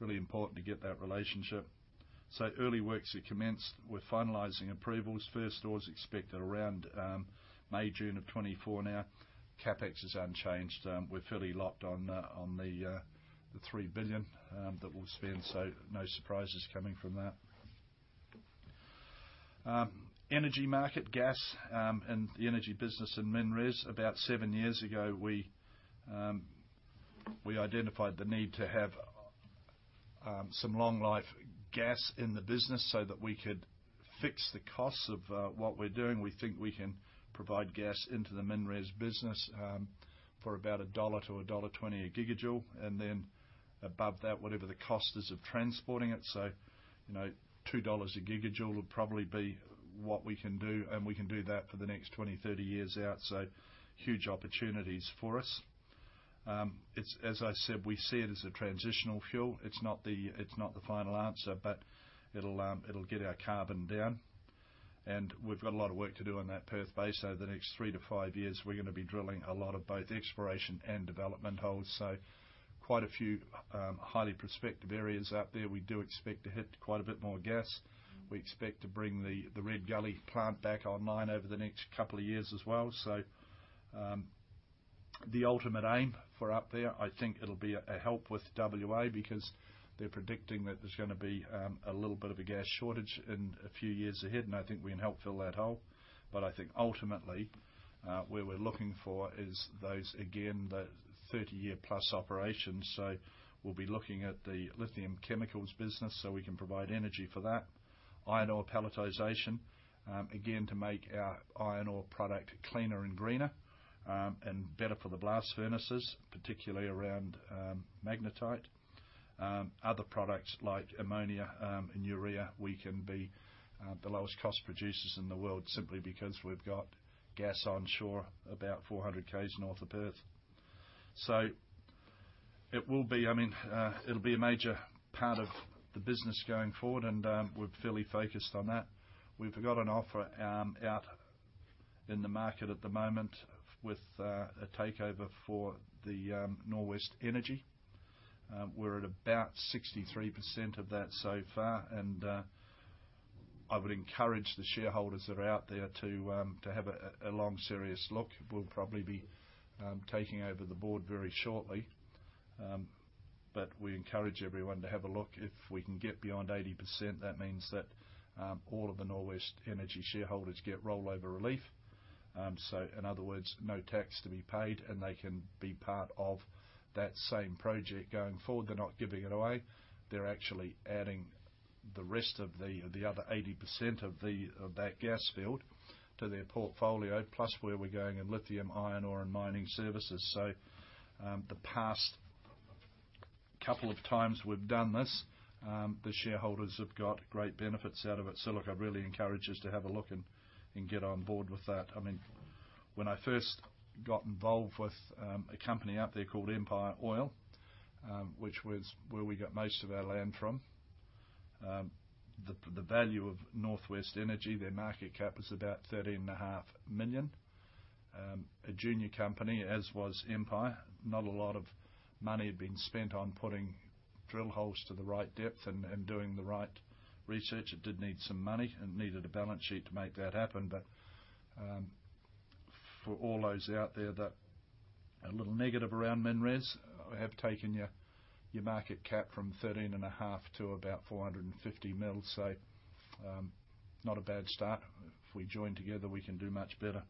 really important to get that relationship. Early works are commenced. We're finalizing approvals first. Ore's expected around May, June of 2024 now. CapEx is unchanged. We're fairly locked on the 3 billion that we'll spend, no surprises coming from that. Energy market, gas, and the energy business in MinRes. About seven years ago, we identified the need to have some long-life gas in the business so that we could fix the costs of what we're doing. We think we can provide gas into the MinRes business for about 1-1.20 dollar a gigajoule, and then above that, whatever the cost is of transporting it. You know, 2 dollars a gigajoule would probably be what we can do, and we can do that for the next 20, 30 years out. Huge opportunities for us. It's, as I said, we see it as a transitional fuel. It's not the final answer, but it'll get our carbon down. We've got a lot of work to do on that Perth Basin. Over the next three to five years, we're gonna be drilling a lot of both exploration and development holes. Quite a few highly prospective areas out there. We do expect to hit quite a bit more gas. We expect to bring the Red Gully plant back online over the next two years as well. The ultimate aim for up there, I think it'll be a help with WA because they're predicting that there's gonna be a little bit of a gas shortage in a few years ahead. I think we can help fill that hole. I think ultimately, where we're looking for is those, again, the 30-year-plus operations. We'll be looking at the lithium chemicals business, so we can provide energy for that. Iron ore pelletization, again to make our iron ore product cleaner and greener, and better for the blast furnaces, particularly around magnetite. Other products like ammonia, and urea, we can be, I mean, the lowest cost producers in the world simply because we've got gas onshore about 400 Ks north of Perth. It'll be a major part of the business going forward, and we're fairly focused on that. We've got an offer out in the market at the moment with a takeover for the Norwest Energy. We're at about 63% of that so far, and I would encourage the shareholders that are out there to have a long, serious look. We'll probably be taking over the board very shortly. We encourage everyone to have a look. If we can get beyond 80%, that means that all of the Norwest Energy shareholders get rollover relief. In other words, no tax to be paid, and they can be part of that same project going forward. They're not giving it away. They're actually adding the rest of the other 80% of that gas field to their portfolio, plus where we're going in lithium, iron ore, and mining services. The past couple of times we've done this, the shareholders have got great benefits out of it. Look, I really encourage us to have a look and get on board with that. I mean, when I first got involved with a company out there called Empire Oil, which was where we got most of our land from, the value of Norwest Energy, their market cap was about 13.5 million. A junior company, as was Empire. Not a lot of money had been spent on putting drill holes to the right depth and doing the right research. It did need some money and needed a balance sheet to make that happen. For all those out there that are a little negative around MinRes, we have taken your market cap from 13.5 million to about 450 million. Not a bad start. If we join together, we can do much better.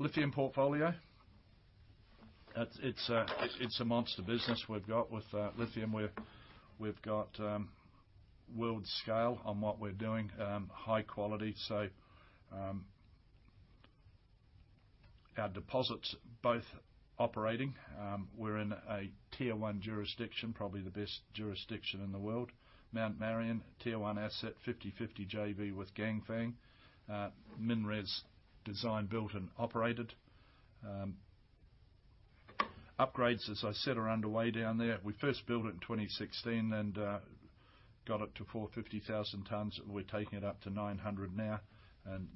Lithium portfolio. It's a monster business we've got with lithium. We've got world scale on what we're doing. High quality. Our deposits both operating. We're in a tier one jurisdiction, probably the best jurisdiction in the world. Mount Marion, tier one asset, 50-50 JV with Ganfeng. MinRes designed, built, and operated. Upgrades, as I said, are underway down there. We first built it in 2016 and got it to 450,000 tonnes. We're taking it up to 900 now,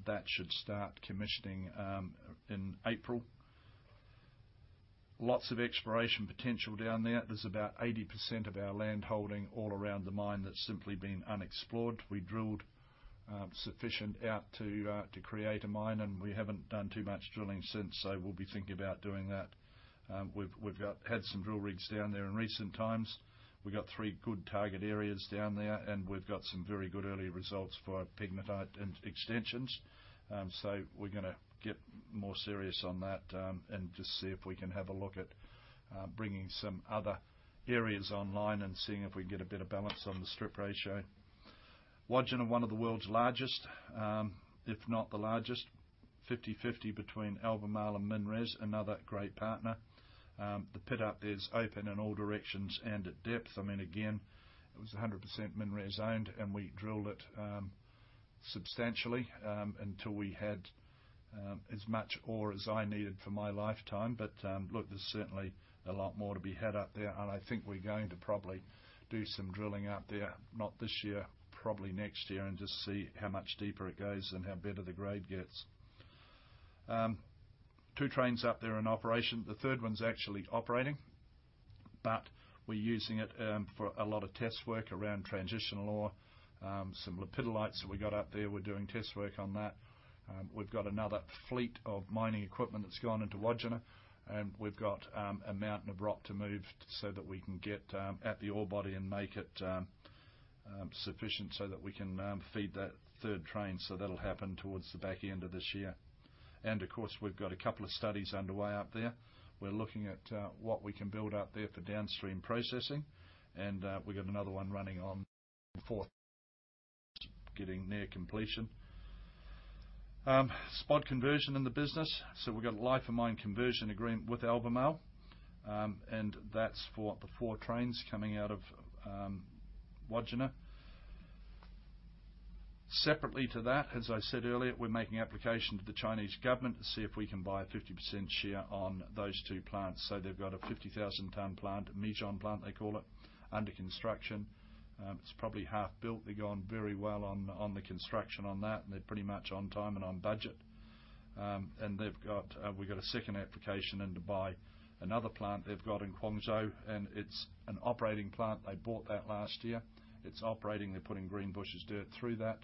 that should start commissioning in April. Lots of exploration potential down there. There's about 80% of our landholding all around the mine that's simply been unexplored. We drilled sufficient out to create a mine, and we haven't done too much drilling since, so we'll be thinking about doing that. We've had some drill rigs down there in recent times. We've got three good target areas down there, and we've got some very good early results for our pegmatite and extensions. We're going to get more serious on that and just see if we can have a look at bringing some other areas online and seeing if we can get a better balance on the strip ratio. Wodgina are one of the world's largest, if not the largest, 50/50 between Albemarle and MinRes, another great partner. The pit up is open in all directions and at depth. I mean, again, it was 100% MinRes owned, and we drilled it substantially until we had as much ore as I needed for my lifetime. But look, there's certainly a lot more to be had up there, and I think we're going to probably do some drilling up there. Not this year, probably next year, and just see how much deeper it goes and how better the grade gets. Two trains up there in operation. The third one's actually operating, but we're using it for a lot of test work around transitional ore. Some lepidolites that we got up there, we're doing test work on that. We've got another fleet of mining equipment that's gone into Wodgina, and we've got a mountain of rock to move so that we can get at the ore body and make it sufficient so that we can feed that third train. That'll happen towards the back end of this year. Of course, we've got a couple of studies underway up there. We're looking at what we can build up there for downstream processing, and we've got another one running on fourth, getting near completion. Spod conversion in the business. We've got a life of mine conversion agreement with Albemarle, and that's for the four trains coming out of Wodgina. Separately to that, as I said earlier, we're making application to the Chinese government to see if we can buy a 50% share on those two plants. They've got a 50,000 ton plant, Meishan plant they call it, under construction. It's probably half-built. They've gone very well on the construction on that, and they're pretty much on time and on budget. They've got, we've got a second application in to buy another plant they've got in Guangzhou, and it's an operating plant. They bought that last year. It's operating. They're putting Greenbushes dirt through that.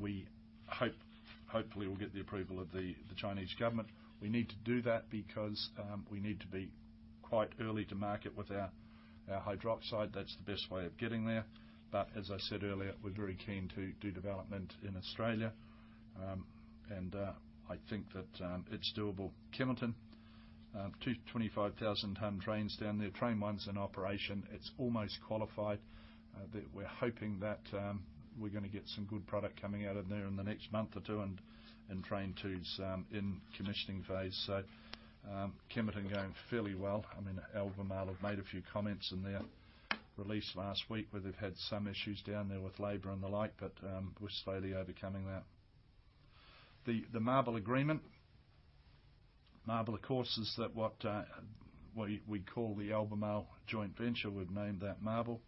We hope, hopefully, we'll get the approval of the Chinese government. We need to do that because we need to be quite early to market with our hydroxide. That's the best way of getting there. As I said earlier, we're very keen to do development in Australia. I think that it's doable. Kemerton, two 25,000 ton trains down there. Train one's in operation. It's almost qualified. We're hoping that we're gonna get some good product coming out of there in the next month or two, and train two's in commissioning phase. Kemerton going fairly well. I mean, Albemarle have made a few comments in their release last week where they've had some issues down there with labor and the like, but we're slowly overcoming that. The MARBL agreement. MARBL, of course, is that what we call the Albemarle joint venture. We've named that MARBL.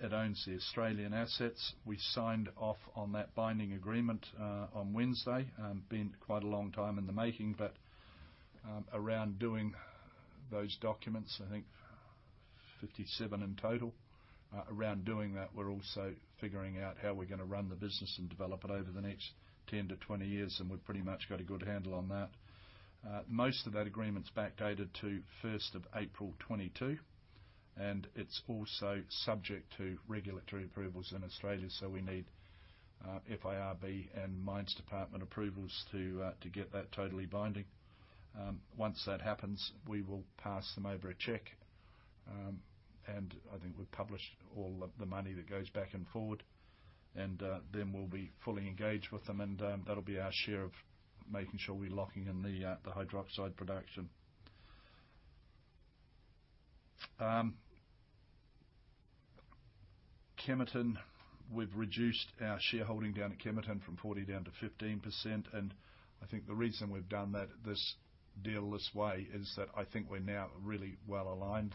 It owns the Australian assets. We signed off on that binding agreement on Wednesday. Been quite a long time in the making, around doing those documents, I think 57 in total. Around doing that, we're also figuring out how we're gonna run the business and develop it over the next 10-20 years, we've pretty much got a good handle on that. Most of that agreement's backdated to 1st of April 2022, it's also subject to regulatory approvals in Australia. We need FIRB and mines department approvals to get that totally binding. Once that happens, we will pass them over a check. I think we publish all of the money that goes back and forward, then we'll be fully engaged with them, that'll be our share of making sure we're locking in the hydroxide production. Kemerton, we've reduced our shareholding down at Kemerton from 40% down to 15%, I think the reason we've done that, this deal this way is that I think we're now really well aligned.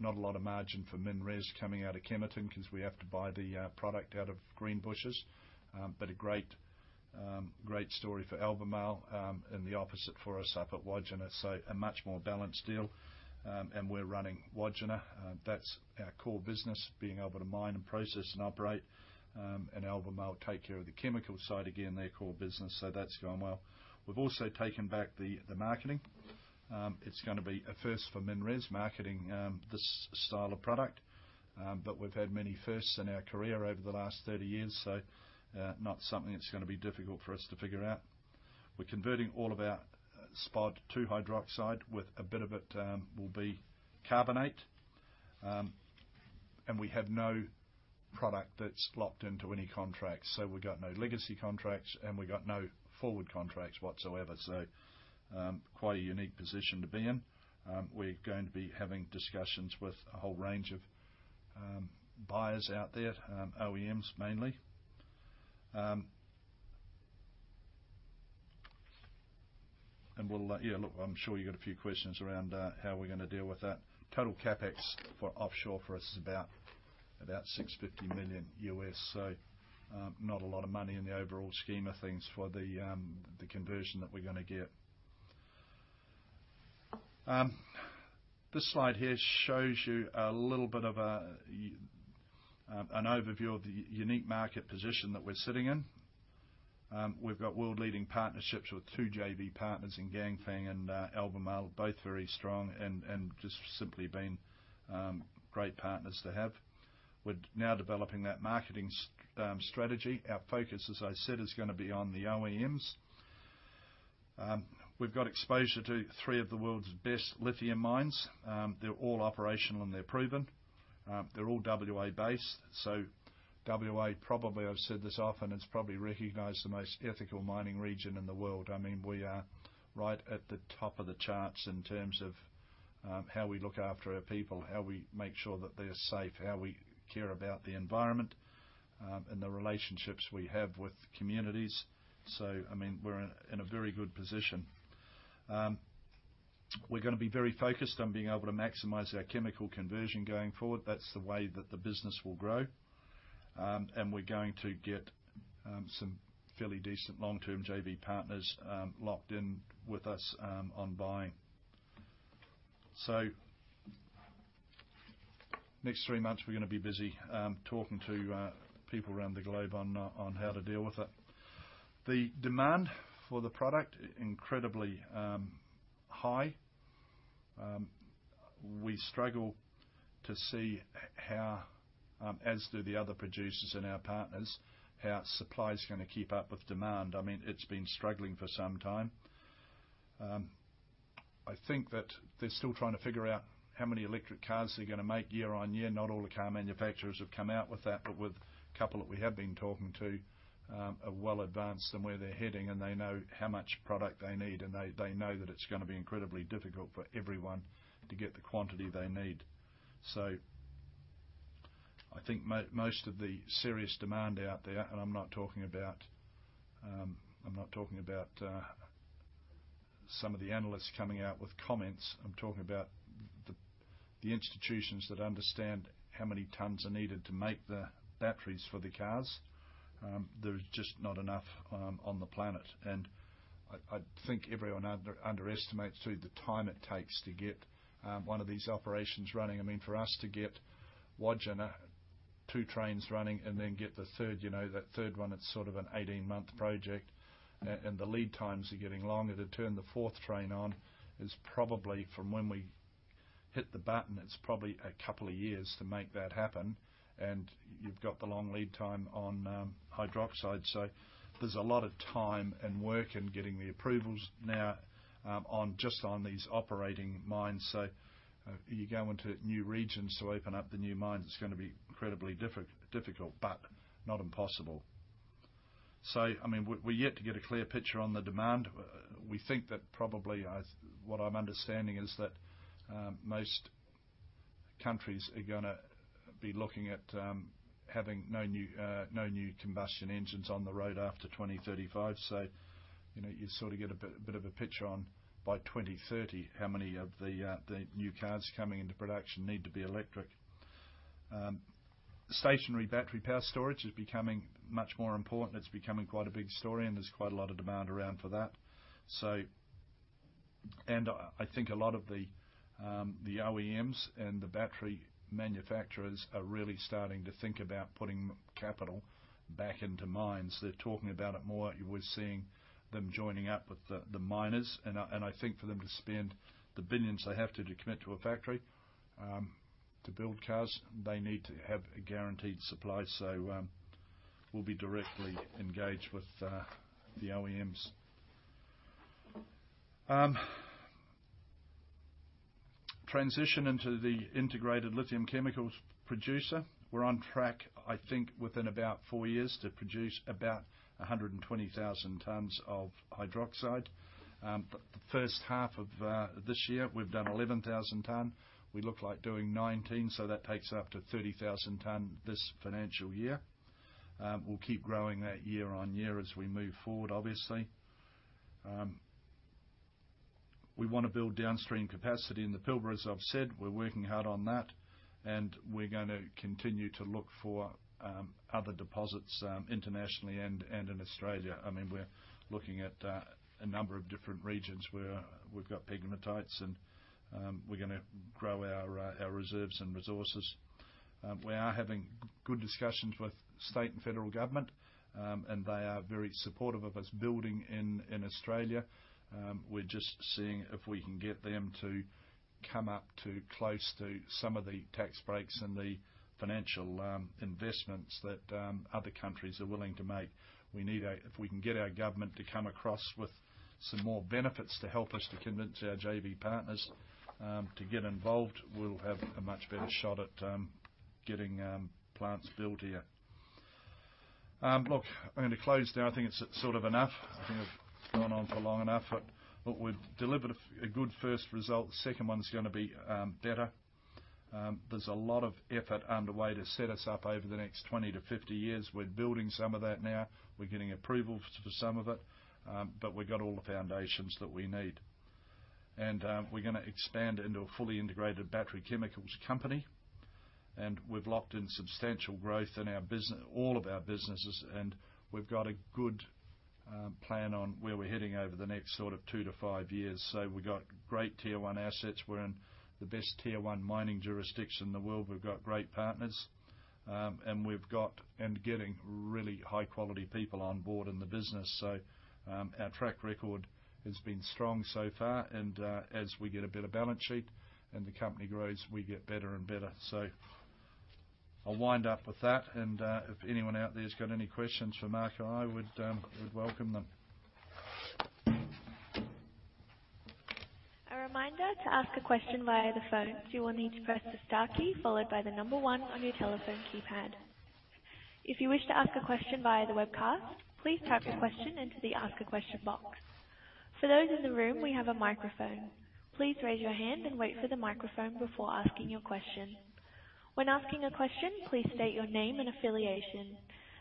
Not a lot of margin for MinRes coming out of Kemerton 'cause we have to buy the product out of Greenbushes. A great story for Albemarle, the opposite for us up at Wodgina. A much more balanced deal. We're running Wodgina. That's our core business, being able to mine and process and operate. Albemarle take care of the chemical side. Again, their core business, that's going well. We've also taken back the marketing. It's going to be a first for MinRes marketing, this style of product. We've had many firsts in our career over the last 30 years, not something that's going to be difficult for us to figure out. We're converting all of our spod to hydroxide with a bit of it will be carbonate. We have no product that's locked into any contracts. We've got no legacy contracts, and we've got no forward contracts whatsoever, quite a unique position to be in. We're going to be having discussions with a whole range of buyers out there, OEMs mainly. Yeah, look, I'm sure you got a few questions around how we're gonna deal with that. Total CapEx for offshore for us is about $650 million U.S., not a lot of money in the overall scheme of things for the conversion that we're gonna get. This slide here shows you a little bit of a an overview of the unique market position that we're sitting in. We've got world-leading partnerships with two JV partners in Ganfeng and Albemarle, both very strong and just simply been great partners to have. We're now developing that marketing strategy. Our focus, as I said, is gonna be on the OEMs. We've got exposure to three of the world's best lithium mines. They're all operational, and they're proven. They're all WA-based. WA probably, I've said this often, it's probably recognized the most ethical mining region in the world. I mean, we are right at the top of the charts in terms of how we look after our people, how we make sure that they're safe, how we care about the environment, and the relationships we have with communities. I mean, we're in a very good position. We're gonna be very focused on being able to maximize our chemical conversion going forward. That's the way that the business will grow. And we're going to get some fairly decent long-term JV partners locked in with us on buying. Next three months, we're gonna be busy, talking to people around the globe on how to deal with it. The demand for the product, incredibly high. We struggle to see how, as do the other producers and our partners, how supply's gonna keep up with demand. I mean, it's been struggling for some time. I think that they're still trying to figure out how many electric cars they're gonna make year on year. Not all the car manufacturers have come out with that, but with couple that we have been talking to, are well advanced in where they're heading, and they know how much product they need. They know that it's gonna be incredibly difficult for everyone to get the quantity they need. I think most of the serious demand out there, I'm not talking about, I'm not talking about some of the analysts coming out with comments. I'm talking about the institutions that understand how many tons are needed to make the batteries for the cars. There's just not enough on the planet. I think everyone underestimates, too, the time it takes to get one of these operations running. I mean, for us to get Wodgina, two trains running and then get the 3rd, you know, that 3rd one, it's sort of an 18-month project. The lead times are getting longer. To turn the 4th train on is probably, from when we hit the button, it's probably two years to make that happen. You've got the long lead time on hydroxide. There's a lot of time and work in getting the approvals now, on just on these operating mines. You go into new regions to open up the new mines, it's gonna be incredibly difficult, but not impossible. I mean, we're yet to get a clear picture on the demand. We think that probably, I, what I'm understanding is that most countries are gonna be looking at having no new, no new combustion engines on the road after 2035. You know, you sort of get a bit of a picture on, by 2030, how many of the new cars coming into production need to be electric. Stationary battery power storage is becoming much more important. It's becoming quite a big story, and there's quite a lot of demand around for that. I think a lot of the OEMs and the battery manufacturers are really starting to think about putting capital back into mines. They're talking about it more. We're seeing them joining up with the miners. I think for them to spend the billions they have to commit to a factory to build cars, they need to have a guaranteed supply. We'll be directly engaged with the OEMs. Transition into the integrated lithium chemicals producer. We're on track, I think, within about four years to produce about 120,000 tons of hydroxide. The first half of this year, we've done 11,000 ton. We look like doing 19, so that takes us up to 30,000 ton this financial year. We'll keep growing that year-on-year as we move forward, obviously. We wanna build downstream capacity in the Pilbara, as I've said. We're working hard on that, and we're gonna continue to look for other deposits internationally and in Australia. I mean, we're looking at a number of different regions where we've got pegmatites, and we're gonna grow our reserves and resources. We are having good discussions with state and federal government, and they are very supportive of us building in Australia. We're just seeing if we can get them to come up to close to some of the tax breaks and the financial investments that other countries are willing to make. If we can get our government to come across with some more benefits to help us to convince our JV partners, to get involved, we'll have a much better shot at getting plants built here. Look, I'm gonna close now. I think it's sort of enough. I think I've gone on for long enough. Look, we've delivered a good first result. Second one's gonna be better. There's a lot of effort underway to set us up over the next 20-50 years. We're building some of that now. We're getting approvals for some of it, but we've got all the foundations that we need. We're gonna expand into a fully integrated battery chemicals company, and we've locked in substantial growth in all of our businesses, and we've got a good plan on where we're heading over the next sort of 2-5 years. We've got great tier one assets. We're in the best tier one mining jurisdiction in the world. We've got great partners. Getting really high quality people on board in the business. Our track record has been strong so far, as we get a better balance sheet and the company grows, we get better and better. I'll wind up with that, if anyone out there has got any questions for Mark or I, we'd welcome them. A reminder to ask a question via the phone. You will need to press the star key followed by one on your telephone keypad. If you wish to ask a question via the webcast, please type your question into the Ask a Question box. For those in the room, we have a microphone. Please raise your hand and wait for the microphone before asking your question. When asking a question, please state your name and affiliation.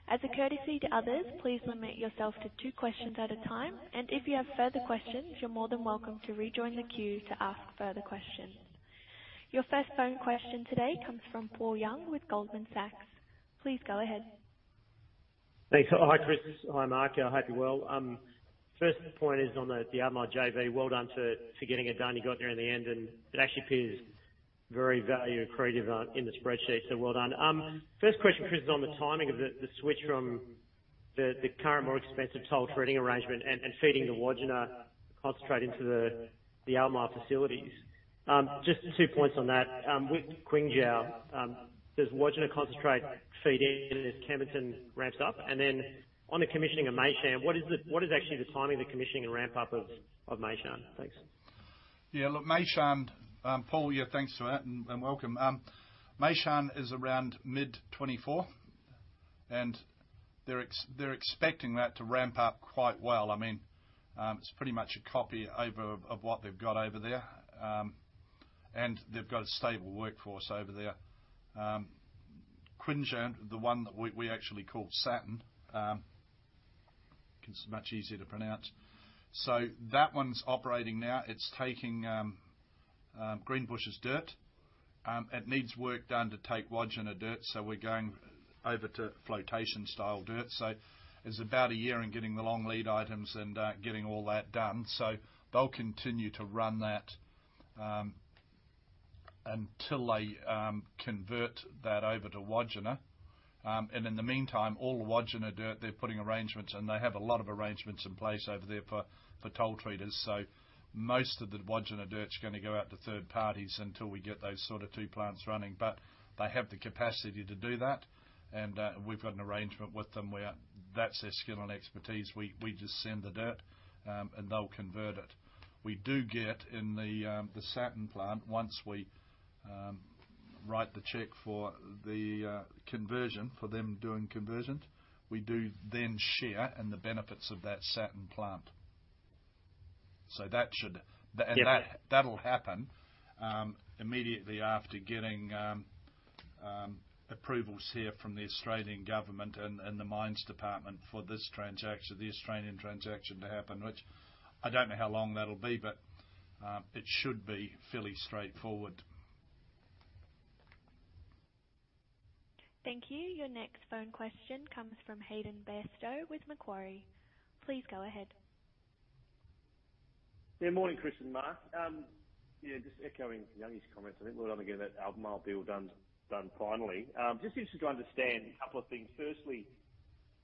As a courtesy to others, please limit yourself to two questions at a time. If you have further questions, you're more than welcome to rejoin the queue to ask further questions. Your first phone question today comes from Paul Young with Goldman Sachs. Please go ahead. Thanks. Hi, Chris. Hi, Mark. I hope you're well. First point is on the Albemarle JV. Well done for getting it done. You got there in the end, and it actually appears very value accretive in the spreadsheets, so well done. First question, Chris, is on the timing of the switch from the current more expensive toll treating arrangement and feeding the Wodgina concentrate into the Albemarle facilities. Just two points on that. With Qinzhou, does Wodgina concentrate feed in as Kemerton ramps up? On the commissioning of Meishan, what is actually the timing of the commissioning and ramp-up of Meishan? Thanks. Meishan. Paul, thanks for that and welcome. Meishan is around mid-2024, they're expecting that to ramp up quite well. I mean, it's pretty much a copy over of what they've got over there. They've got a stable workforce over there. Qinzhou, the one that we actually call Qinzhou, cause it's much easier to pronounce. That one's operating now. It's taking Greenbushes dirt. It needs work done to take Wodgina dirt, we're going over to flotation style dirt. It's about a year in getting the long lead items and getting all that done. They'll continue to run that until they convert that over to Wodgina. In the meantime, all Wodgina dirt, they're putting arrangements, and they have a lot of arrangements in place over there for toll treaters. Most of the Wodgina dirt's gonna go out to third parties until we get those sort of two plants running. They have the capacity to do that, and we've got an arrangement with them where that's their skill and expertise. We just send the dirt, and they'll convert it. We do get in the Qinzhou plant, once we write the check for the conversion for them doing conversion, we do then share in the benefits of that Qinzhou plant. Yeah. That'll happen immediately after getting approvals here from the Australian government and the mines department for this transaction, the Australian transaction to happen, which I don't know how long that'll be, but it should be fairly straightforward. Thank you. Your next phone question comes from Hayden Bairstow with Macquarie. Please go ahead. Morning, Chris and Mark. Just echoing Youngie's comments. I think well done again, that Albemarle deal done finally. Just interested to understand a couple of things. Firstly,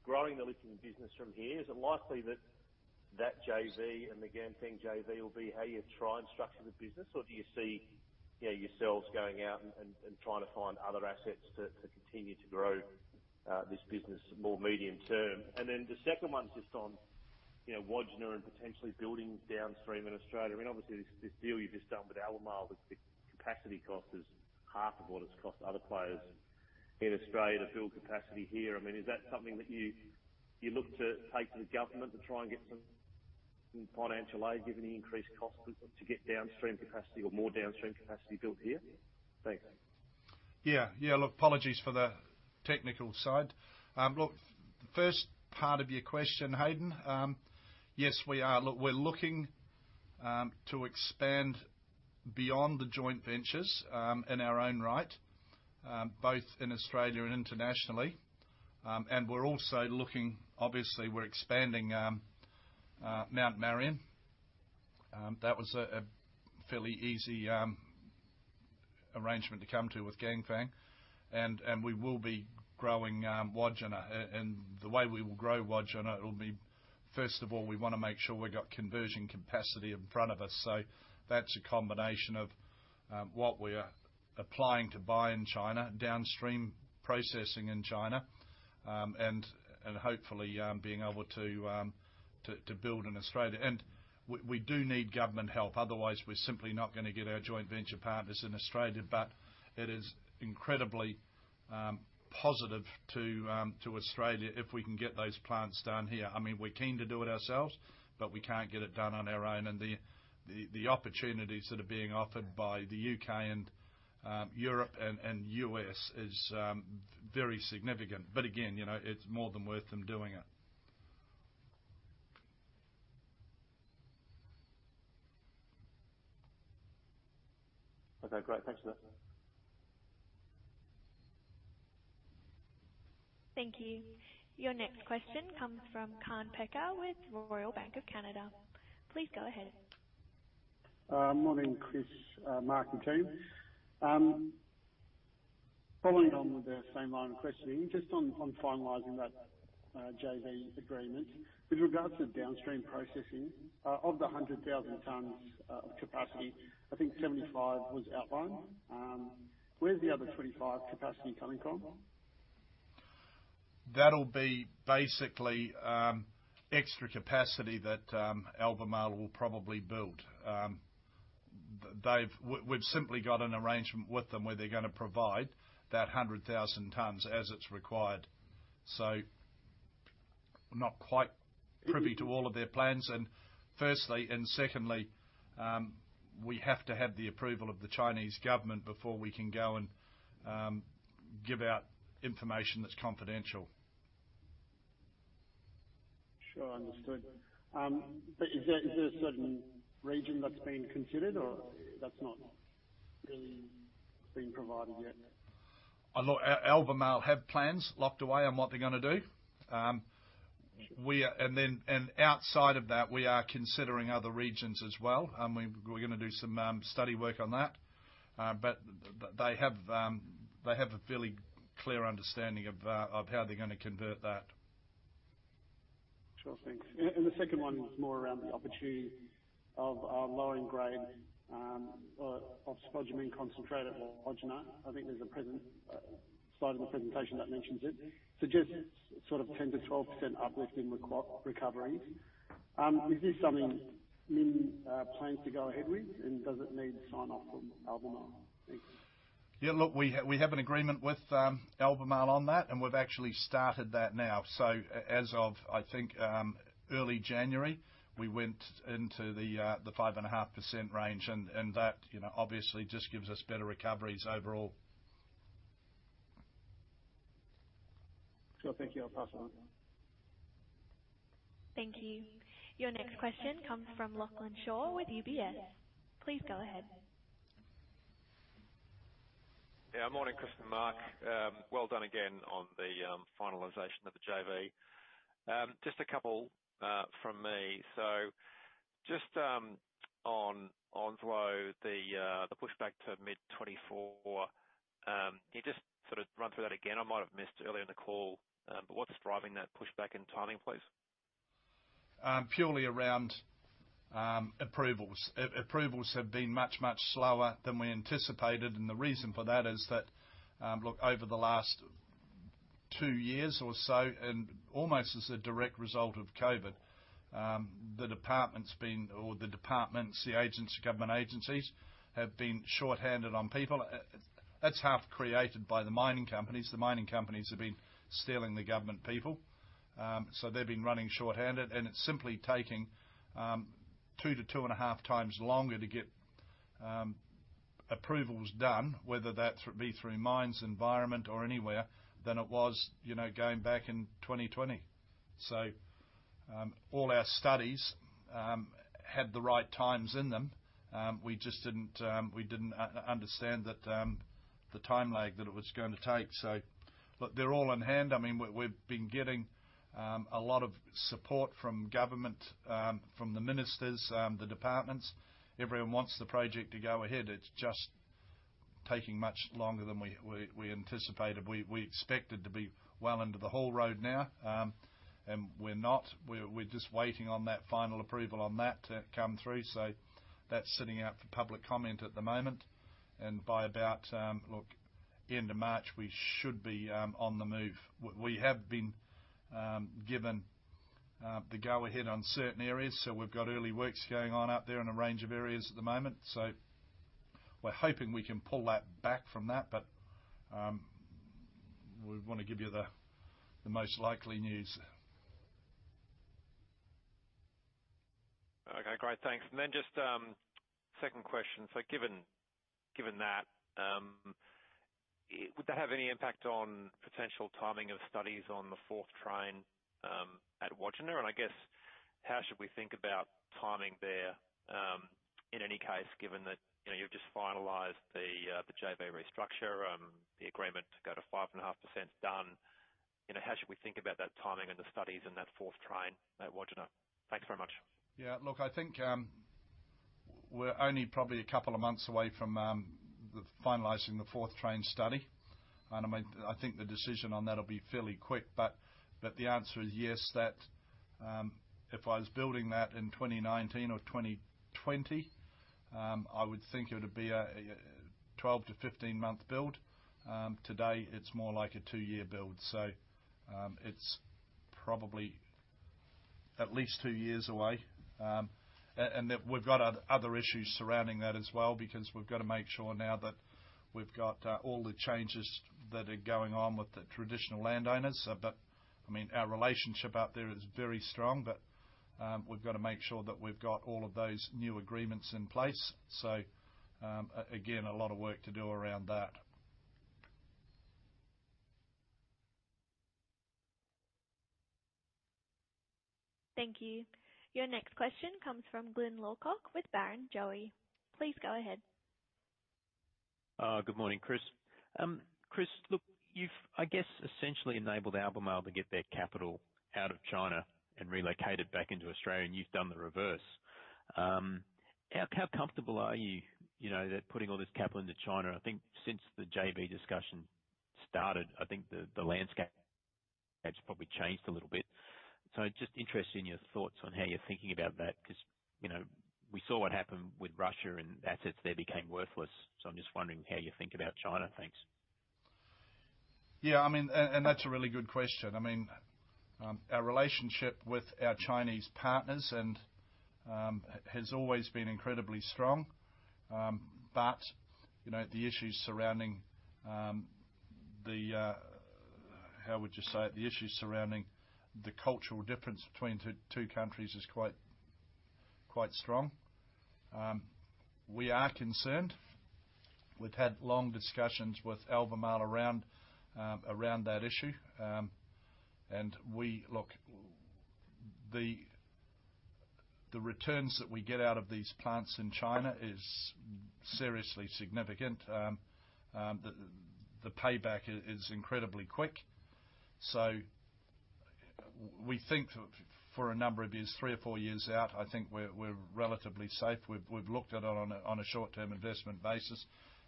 growing the lithium business from here, is it likely that JV and the Ganfeng JV will be how you try and structure the business? Do you see, you know, yourselves going out and trying to find other assets to continue to grow this business more medium-term? The second one's just on, you know, Wodgina and potentially building downstream in Australia. I mean, obviously, this deal you've just done with Albemarle, the capacity cost is half of what it's cost other players in Australia to build capacity here. I mean, is that something that you look to take to the government to try and get some financial aid, given the increased costs to get downstream capacity or more downstream capacity built here? Thanks. Look, apologies for the technical side. Look, the first part of your question, Hayden, yes, we are. Look, we're looking to expand beyond the joint ventures in our own right, both in Australia and internationally. We're also Obviously, we're expanding Mount Marion. That was a fairly easy arrangement to come to with Ganfeng. We will be growing Wodgina. The way we will grow Wodgina, it'll be, first of all, we wanna make sure we've got conversion capacity in front of us. So that's a combination of what we're applying to buy in China, downstream processing in China, and hopefully being able to build in Australia. We do need government help, otherwise we're simply not gonna get our joint venture partners in Australia. It is incredibly positive to Australia if we can get those plants down here. I mean, we're keen to do it ourselves, we can't get it done on our own. The opportunities that are being offered by the U.K. and Europe and U.S. is very significant. Again, you know, it's more than worth them doing it. Okay. Great. Thanks for that. Thank you. Your next question comes from Kaan Peker with Royal Bank of Canada. Please go ahead. Morning, Chris, Mark, and team. Following on with the same line of questioning, just on finalizing that JV agreement. With regards to downstream processing, of the 100,000 tons capacity, I think 75 was outlined. Where's the other 25 capacity coming from? That'll be basically extra capacity that Albemarle will probably build. We've simply got an arrangement with them where they're gonna provide that 100,000 tons as it's required. I'm not quite privy to all of their plans and firstly, and secondly, we have to have the approval of the Chinese government before we can go and give out information that's confidential. Sure. Understood. Is there a certain region that's being considered or that's not really been provided yet? Look, Albemarle have plans locked away on what they're gonna do. Outside of that, we are considering other regions as well. We're gonna do some study work on that. They have a fairly clear understanding of how they're gonna convert that. Sure. Thanks. The second one was more around the opportunity of lowering grade or of spodumene concentrate at Wodgina? I think there's a present slide in the presentation that mentions it. Just sort of 10%-12% uplift in recoveries. Is this something Min plans to go ahead with, and does it need sign-off from Albemarle? Thanks. Look, we have an agreement with Albemarle on that, and we've actually started that now. As of, I think, early January, we went into the 5.5% range and that, you know, obviously just gives us better recoveries overall. Sure. Thank you. I'll pass on. Thank you. Your next question comes from Lachlan Shaw with UBS. Please go ahead. Morning, Chris and Mark. Well done again on the finalization of the JV. Just a couple from me. Just on Onslow, the pushback to mid-2024, can you just sort of run through that again? I might have missed earlier in the call. What's driving that pushback in timing, please? Purely around approvals. Approvals have been much slower than we anticipated, and the reason for that is that over the last two years or so, and almost as a direct result of COVID, the department's been, or the departments, the agents, government agencies, have been shorthanded on people. That's half created by the mining companies. The mining companies have been stealing the government people. They've been running shorthanded, and it's simply taking two to 2.5 Times longer to get approvals done, whether that's be through mines, environment, or anywhere, than it was, you know, going back in 2020. All our studies had the right times in them. We just didn't understand that the time lag that it was gonna take. They're all in hand. I mean, we've been getting a lot of support from government, from the ministers, the departments. Everyone wants the project to go ahead. It's just taking much longer than we anticipated. We expected to be well under the whole road now, we're not. We're just waiting on that final approval on that to come through. That's sitting out for public comment at the moment. By about, look, end of March, we should be on the move. We have been given the go-ahead on certain areas, we've got early works going on out there in a range of areas at the moment. We're hoping we can pull that back from that. We wanna give you the most likely news. Okay. Great. Thanks. Just, second question. Given that, would that have any impact on potential timing of studies on the fourth train at Wodgina? I guess how should we think about timing there, in any case, given that, you know, you've just finalized the JV restructure, the agreement to go to 5.5% done? You know, how should we think about that timing and the studies and that fourth train at Wodgina? Thanks very much. Yeah. Look, I think, we're only probably a couple of months away from finalizing the fourth train study. I mean, I think the decision on that'll be fairly quick. The answer is yes, that, if I was building that in 2019 or 2020, I would think it would be a year, 12-15-month build. Today it's more like a two-year build. At least two years away. We've got other issues surrounding that as well, because we've gotta make sure now that we've got all the changes that are going on with the traditional landowners. I mean, our relationship out there is very strong, but, we've gotta make sure that we've got all of those new agreements in place. Again, a lot of work to do around that. Thank you. Your next question comes from Glyn Lawcock with Barrenjoey. Please go ahead. Good morning, Chris. Chris, look, you've, I guess, essentially enabled Albemarle to get their capital out of China and relocate it back into Australia, and you've done the reverse. How comfortable are you know, they're putting all this capital into China? I think since the JV discussion started, I think the landscape has probably changed a little bit. Just interested in your thoughts on how you're thinking about that, 'cause, you know, we saw what happened with Russia and assets there became worthless. I'm just wondering how you think about China. Thanks. Yeah, I mean, that's a really good question. I mean, our relationship with our Chinese partners has always been incredibly strong. You know, the issues surrounding the... How would you say it? The issues surrounding the cultural difference between two countries is quite strong. We are concerned. We've had long discussions with Albemarle around that issue. Look, the returns that we get out of these plants in China is seriously significant. The payback is incredibly quick. We think for a number of years, three or four years out, I think we're relatively safe. We've looked at it on a short-term investment basis,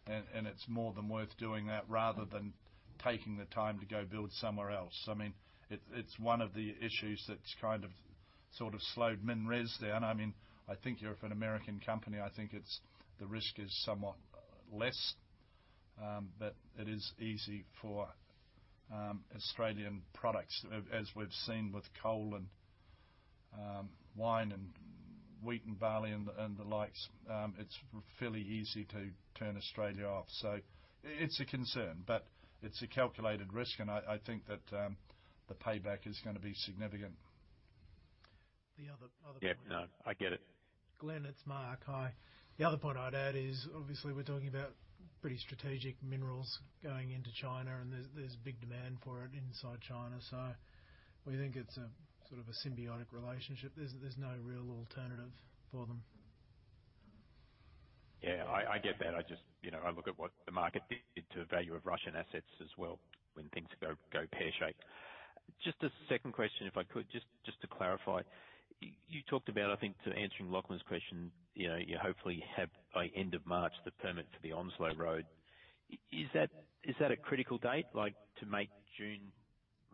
and it's more than worth doing that rather than taking the time to go build somewhere else. I mean, it's one of the issues that's kind of sort of slowed MinRes down. I mean, I think you're an American company. I think it's the risk is somewhat less, but it is easy for Australian products, as we've seen with coal and wine and wheat and barley and the likes. It's fairly easy to turn Australia off. It's a concern, but it's a calculated risk, and I think that the payback is gonna be significant. The other point. Yeah, no, I get it. Glyn, it's Mark. Hi. The other point I'd add is, obviously we're talking about pretty strategic minerals going into China. There's big demand for it inside China. We think it's a sort of a symbiotic relationship. There's no real alternative for them. Yeah, I get that. I just, you know, I look at what the market did to the value of Russian assets as well when things go pear-shaped. Just a second question, if I could, to clarify. You talked about, I think to answering Lachlan's question, you know, you hopefully have by end of March, the permit for the Onslow Road. Is that a critical date, like, to make June,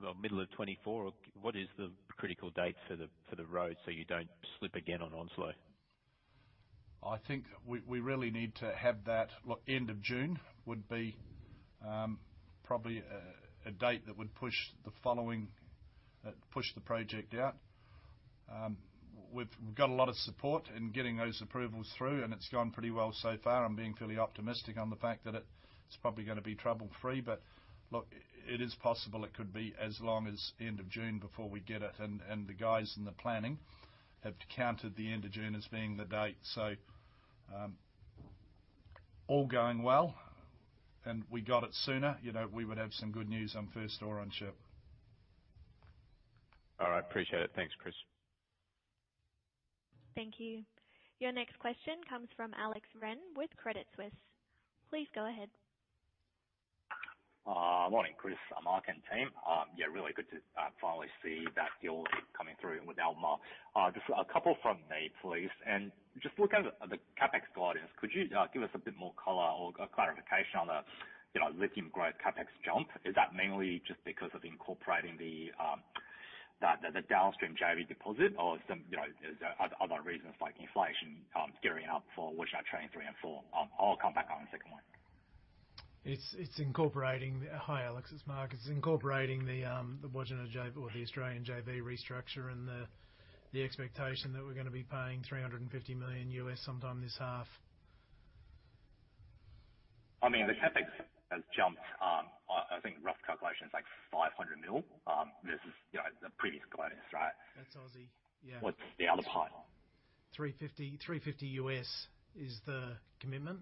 well, middle of 2024? Or what is the critical date for the road so you don't slip again on Onslow? I think we really need to have that, look, end of June would be probably a date that would push the following push the project out. We've got a lot of support in getting those approvals through, and it's gone pretty well so far. I'm being fairly optimistic on the fact that it's probably gonna be trouble-free. Look, it is possible it could be as long as end of June before we get it. The guys in the planning have counted the end of June as being the date. All going well, and we got it sooner, you know, we would have some good news on first ore on ship. All right. Appreciate it. Thanks, Chris. Thank you. Your next question comes from Alex Ren with Credit Suisse. Please go ahead. Morning, Chris, Mark, and team. Yeah, really good to finally see that deal coming through with Albemarle. Just a couple from me, please. Just looking at the CapEx guidance, could you give us a bit more color or clarification on the, you know, lithium grade CapEx jump? Is that mainly just because of incorporating the downstream JV deposit or some, you know, is there other reasons like inflation, gearing up for Wodgina Train three and four? I'll come back on the second one. It's incorporating. Hi, Alex. It's Mark. It's incorporating the Wodgina JV or the Australian JV restructure and the expectation that we're gonna be paying $350 million sometime this half. I mean, the CapEx has jumped, I think rough calculation is like 500 million, versus, you know, the previous guidance, right? That's Aussie. Yeah. What's the other part? $350 is the commitment.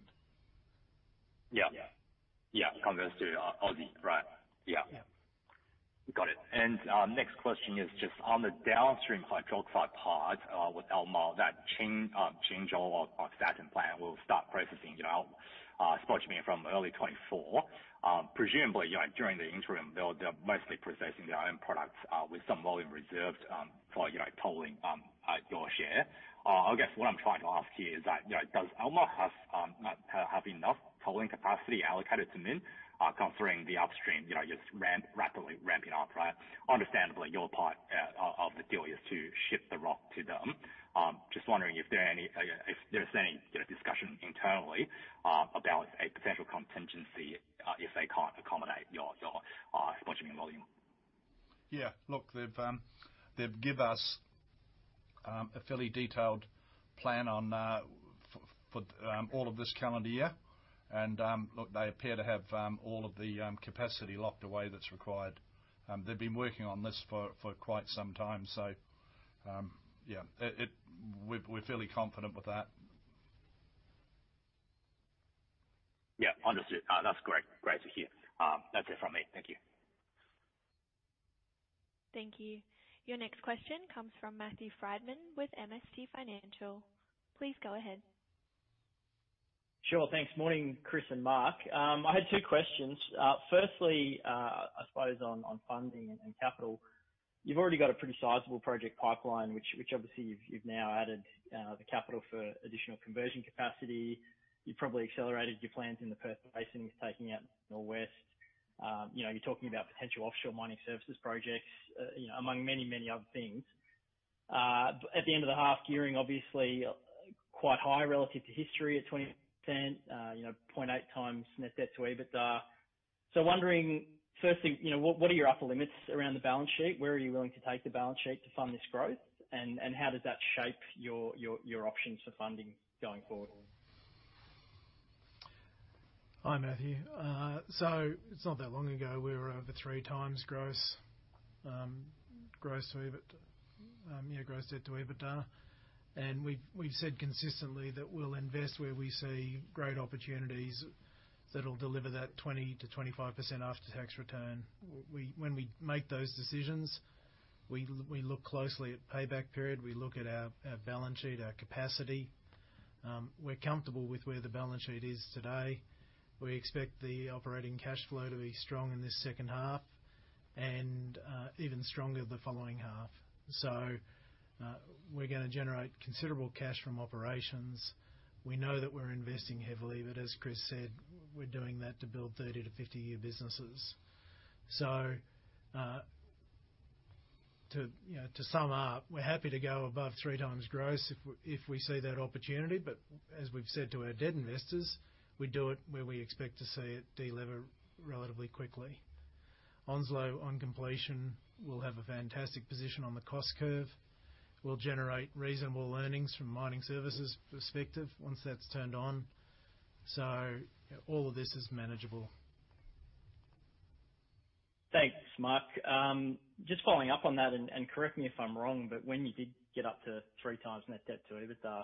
Yeah. Yeah. Converted to, Aussie, right. Yeah. Yeah. Got it. Next question is just on the downstream hydroxide part with Albemarle, that Changzhou hydroxide plant will start processing, you know, spodumene from early 2024. Presumably, you know, during the interim, they're mostly processing their own products with some volume reserved for, you know, tolling your share. I guess what I'm trying to ask here is that, you know, does Albemarle have enough tolling capacity allocated to Min, considering the upstream, you know, rapidly ramping up, right? Understandably, your part of the deal is to ship the rock to them. Just wondering if there are any, you know, discussion internally about a potential contingency if they can't accommodate your spodumene volume. Yeah. Look, they've give us a fairly detailed plan for all of this calendar year. Look, they appear to have all of the capacity locked away that's required. They've been working on this for quite some time. Yeah. We're fairly confident with that. Yeah, understood. That's great to hear. That's it from me. Thank you. Thank you. Your next question comes from Matthew Frydman with MST Financial. Please go ahead. Sure. Thanks. Morning, Chris and Mark. I had two questions. Firstly, I suppose on funding and capital. You've already got a pretty sizable project pipeline, which obviously you've now added the capital for additional conversion capacity. You've probably accelerated your plans in the Perth Basin with taking out Norwest. You know, you're talking about potential offshore mining services projects, you know, among many, many other things. At the end of the half year, and obviously quite high relative to history at 20%, you know, 0.8 times net debt to EBITDA. Wondering, firstly, you know, what are your upper limits around the balance sheet? Where are you willing to take the balance sheet to fund this growth? How does that shape your options for funding going forward? Hi, Matthew. It's not that long ago, we were over three times gross debt to EBITDA. We've said consistently that we'll invest where we see great opportunities that'll deliver that 20%-25% after-tax return. When we make those decisions, we look closely at payback period. We look at our balance sheet, our capacity. We're comfortable with where the balance sheet is today. We expect the operating cash flow to be strong in this second half and even stronger the following half. We're gonna generate considerable cash from operations. We know that we're investing heavily, but as Chris said, we're doing that to build 30-50-year businesses. To, you know, to sum up, we're happy to go above three times gross if we see that opportunity. As we've said to our debt investors, we do it where we expect to see it de-lever relatively quickly. Onslow, on completion, will have a fantastic position on the cost curve. We'll generate reasonable earnings from a mining services perspective once that's turned on. All of this is manageable. Thanks, Mark. Just following up on that, and correct me if I'm wrong, when you did get up to three times net debt to EBITDA,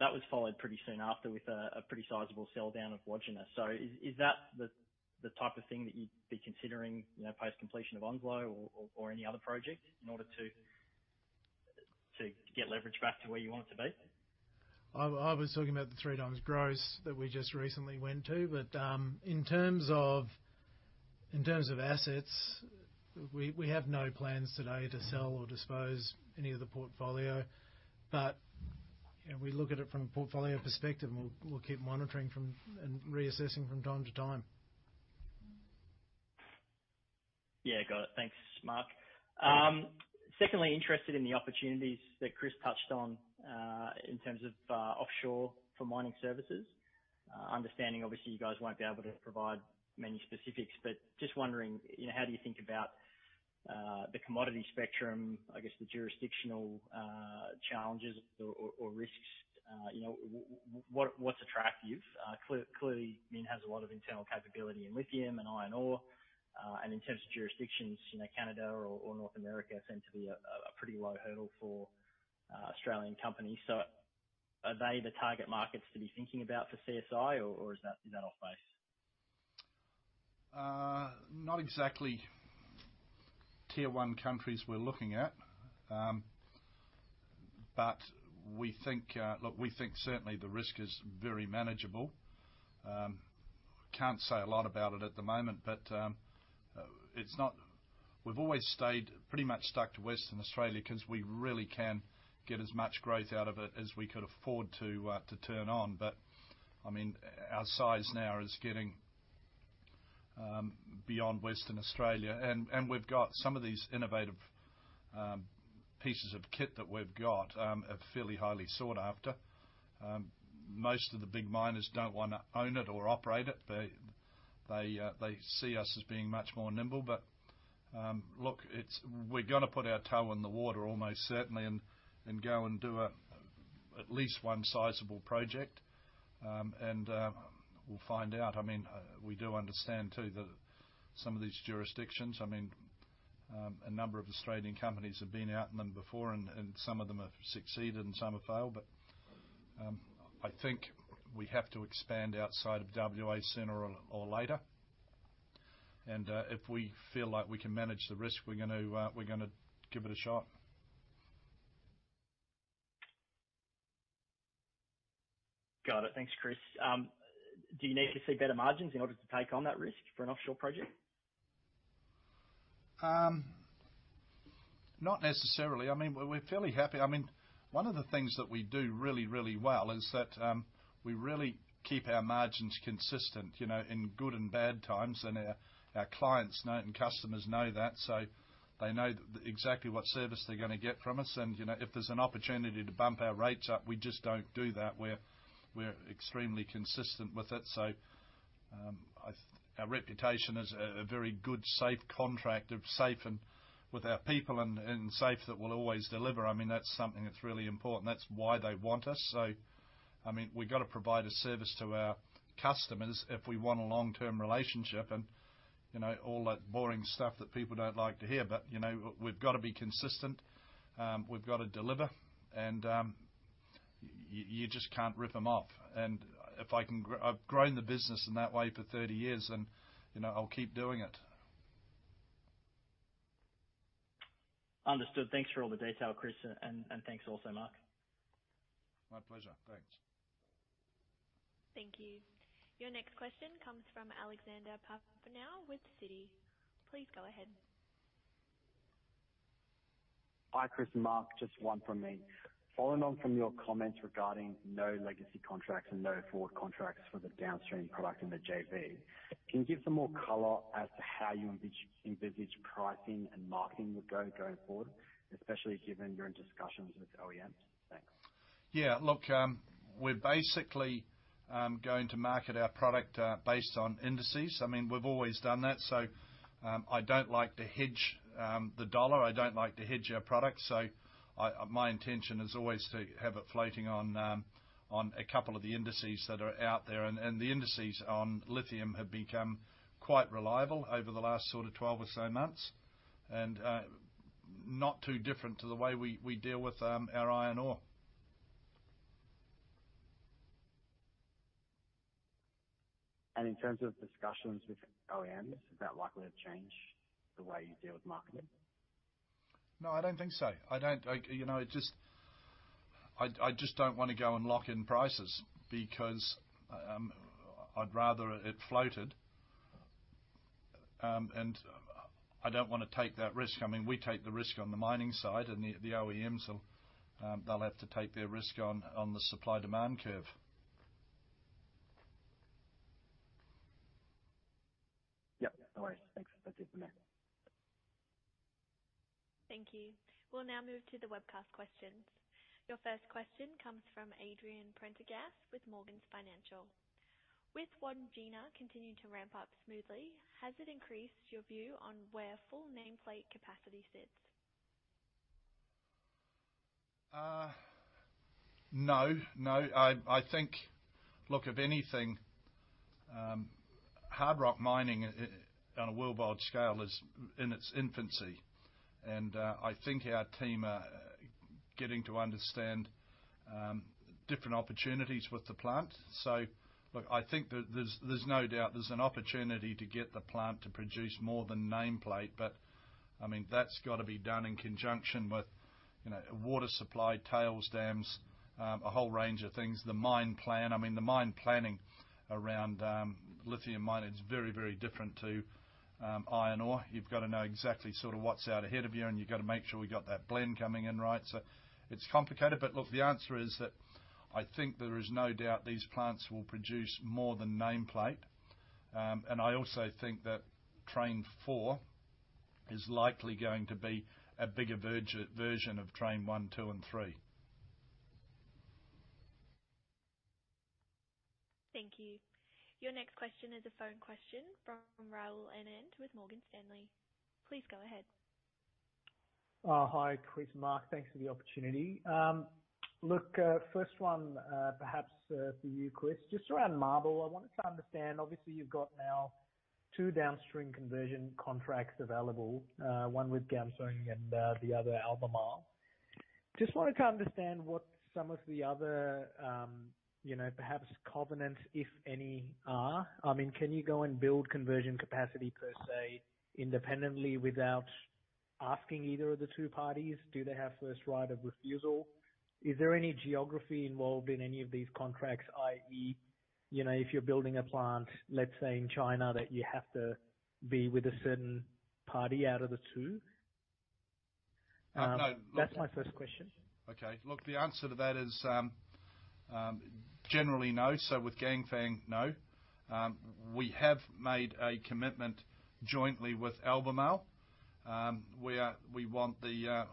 that was followed pretty soon after with a pretty sizable sell down of Wodgina. Is that the type of thing that you'd be considering, you know, post-completion of Onslow or any other project in order to get leverage back to where you want it to be? I was talking about the three times gross that we just recently went to. In terms of assets, we have no plans today to sell or dispose any of the portfolio. You know, we look at it from a portfolio perspective, and we'll keep monitoring from and reassessing from time to time. Got it. Thanks, Mark. Secondly, interested in the opportunities that Chris touched on, in terms of offshore for mining services. Understanding obviously you guys won't be able to provide many specifics, but just wondering, you know, how do you think about the commodity spectrum, I guess the jurisdictional challenges or risks? You know, what's attractive? Clearly, MIN has a lot of internal capability in lithium and iron ore. And in terms of jurisdictions, you know, Canada or North America seem to be a pretty low hurdle for Australian companies. Are they the target markets to be thinking about for CSI, or is that off base? Not exactly tier one countries we're looking at. We think, look, we think certainly the risk is very manageable. Can't say a lot about it at the moment, but it's not. We've always stayed pretty much stuck to Western Australia 'cause we really can get as much growth out of it as we could afford to to turn on. I mean, our size now is getting beyond Western Australia. We've got some of these innovative pieces of kit that we've got are fairly highly sought after. Most of the big miners don't wanna own it or operate it. They see us as being much more nimble. Look, it's, we're gonna put our toe in the water almost certainly and go and do at least one sizable project. We'll find out. I mean, we do understand too that some of these jurisdictions, I mean, a number of Australian companies have been at them before, and some of them have succeeded and some have failed. I think we have to expand outside of WA sooner or later. If we feel like we can manage the risk, we're gonna give it a shot. Got it. Thanks, Chris. Do you need to see better margins in order to take on that risk for an offshore project? Not necessarily. I mean, we're fairly happy. I mean, one of the things that we do really, really well is that we really keep our margins consistent, you know, in good and bad times. Our clients know and customers know that, so they know exactly what service they're gonna get from us. You know, if there's an opportunity to bump our rates up, we just don't do that. We're extremely consistent with it. I mean, our reputation as a very good safe contractor, safe and with our people and safe that we'll always deliver. I mean, that's something that's really important. That's why they want us. I mean, we've gotta provide a service to our customers if we want a long-term relationship and, you know, all that boring stuff that people don't like to hear. you know, we've gotta be consistent. we've gotta deliver. you just can't rip 'em off. if I've grown the business in that way for 30 years, and, you know, I'll keep doing it. Understood. Thanks for all the detail, Chris. Thanks also, Mark. My pleasure. Thanks. Thank you. Your next question comes from Alexander Papaioanou with Citi. Please go ahead. Hi, Chris and Mark. Just one from me. Following on from your comments regarding no legacy contracts and no forward contracts for the downstream product in the JV, can you give some more color as to how you envisage pricing and marketing would go going forward, especially given you're in discussions with OEMs? Thanks. Yeah. Look, we're basically going to market our product based on indices. I mean, we've always done that. I don't like to hedge the dollar. I don't like to hedge our products. My intention is always to have it floating on a couple of the indices that are out there. The indices on lithium have become quite reliable over the last sort of 12 or so months. Not too different to the way we deal with our iron ore. In terms of discussions with OEMs, is that likely to change the way you deal with marketing? No, I don't think so. I just don't wanna go and lock in prices because I'd rather it floated. I don't wanna take that risk. I mean, we take the risk on the mining side, and the OEMs will, they'll have to take their risk on the supply-demand curve. Yep. No worries. Thanks. That's it from me. Thank you. We'll now move to the webcast questions. Your first question comes from Adrian Prendergast with Morgans Financial. With Wodgina continuing to ramp up smoothly, has it increased your view on where full nameplate capacity sits? No, no. I think, look, if anything, hard rock mining on a worldwide scale is in its infancy. I think our team are getting to understand different opportunities with the plant. Look, I think there's no doubt there's an opportunity to get the plant to produce more than nameplate. I mean, that's gotta be done in conjunction with, you know, water supply, tails dams, a whole range of things. The mine plan. I mean, the mine planning around lithium mining is very, very different to iron ore. You've gotta know exactly sort of what's out ahead of you, and you've gotta make sure we got that blend coming in right. It's complicated. Look, the answer is that I think there is no doubt these plants will produce more than nameplate. I also think that train four is likely going to be a bigger version of train one, two, and. Thank you. Your next question is a phone question from Rahul Anand with Morgan Stanley. Please go ahead. Hi, Chris, Mark. Thanks for the opportunity. Look, first one, perhaps for you, Chris, just around MARBL. I wanted to understand, obviously you've got now two downstream conversion contracts available, one with Ganfeng and the other Albemarle. Just wanted to understand what some of the other, you know, perhaps covenants, if any, are. I mean, can you go and build conversion capacity, per se, independently without asking either of the two parties? Do they have first right of refusal? Is there any geography involved in any of these contracts? I.e., you know, if you're building a plant, let's say in China, that you have to be with a certain party out of the two? No. That's my first question. Okay. Look, the answer to that is, generally, no. With Ganfeng, no. We have made a commitment jointly with Albemarle, where we want the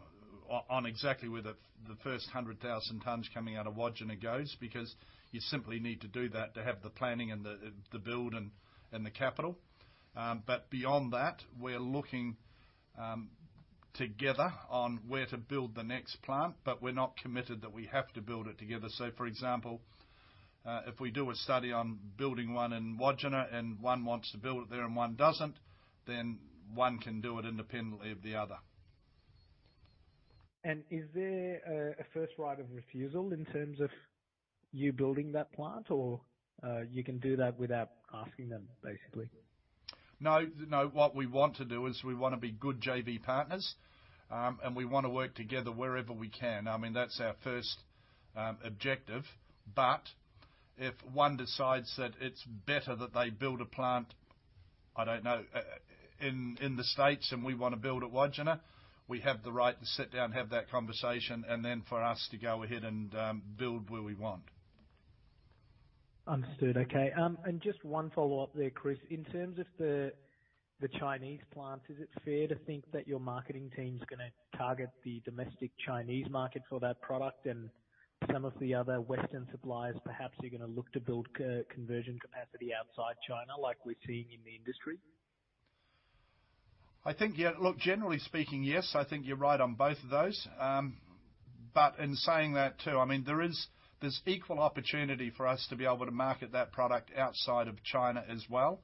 on exactly where the first 100,000 tons coming out of Wodgina goes, because you simply need to do that to have the planning and the build and the capital. Beyond that, we're looking together on where to build the next plant, but we're not committed that we have to build it together. For example, if we do a study on building one in Wodgina and one wants to build it there and one doesn't, then one can do it independently of the other. Is there a first right of refusal in terms of you building that plant, or you can do that without asking them, basically? No. No. What we want to do is we wanna be good JV partners, and we wanna work together wherever we can. I mean, that's our first objective. If one decides that it's better that they build a plant, I don't know, in the States and we wanna build at Wodgina, we have the right to sit down, have that conversation, and then for us to go ahead and build where we want. Understood. Okay. Just one follow-up there, Chris. In terms of the Chinese plant, is it fair to think that your marketing team's gonna target the domestic Chinese market for that product and some of the other Western suppliers, perhaps are gonna look to build co-conversion capacity outside China, like we're seeing in the industry? I think, yeah. Look, generally speaking, yes. I think you're right on both of those. In saying that too, I mean, there's equal opportunity for us to be able to market that product outside of China as well.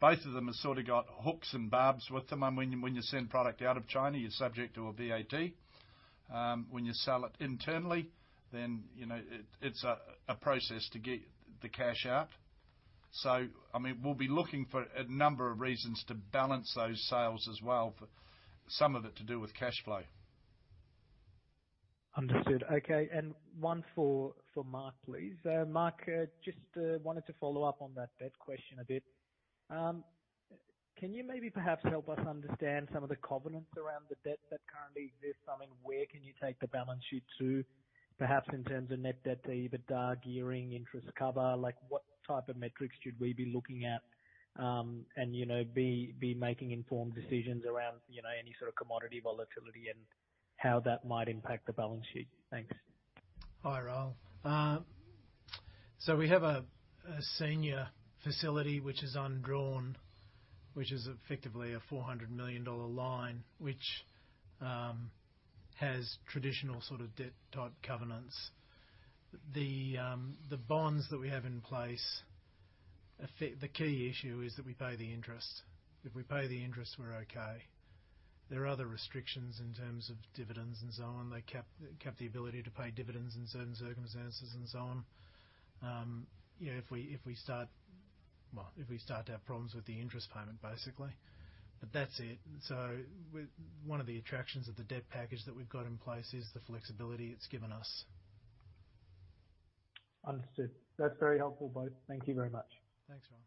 Both of them have sorta got hooks and barbs with them. When you send product out of China, you're subject to a VAT. When you sell it internally, then, you know, it's a process to get the cash out. I mean, we'll be looking for a number of reasons to balance those sales as well, for some of it to do with cash flow. Understood. Okay, and one for Mark, please. Mark, just wanted to follow up on that debt question a bit. Can you maybe perhaps help us understand some of the covenants around the debt that currently exists? I mean, where can you take the balance sheet to, perhaps in terms of net debt to EBITDA gearing, interest cover? Like, what type of metrics should we be looking at, and, you know, be making informed decisions around, you know, any sort of commodity volatility and how that might impact the balance sheet? Thanks. Hi, Rahul. We have a senior facility which is undrawn, which is effectively an 400 million dollar line, which has traditional sort of debt type covenants. The bonds that we have in place, the key issue is that we pay the interest. If we pay the interest, we're okay. There are other restrictions in terms of dividends and so on. They cap the ability to pay dividends in certain circumstances and so on. You know, if we start to have problems with the interest payment, basically. That's it. One of the attractions of the debt package that we've got in place is the flexibility it's given us. Understood. That's very helpful, both. Thank you very much. Thanks, Raul.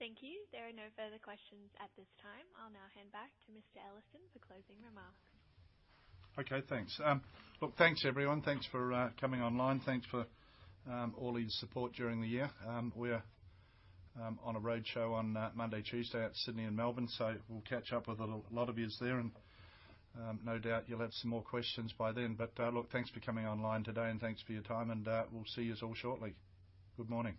Thank you. There are no further questions at this time. I'll now hand back to Mr. Ellison for closing remarks. Okay, thanks. Look, thanks, everyone. Thanks for coming online. Thanks for all your support during the year. We're on a roadshow on Monday, Tuesday at Sydney and Melbourne, so we'll catch up with a lot of yous there, and no doubt you'll have some more questions by then. Look, thanks for coming online today, and thanks for your time, and we'll see yous all shortly. Good morning.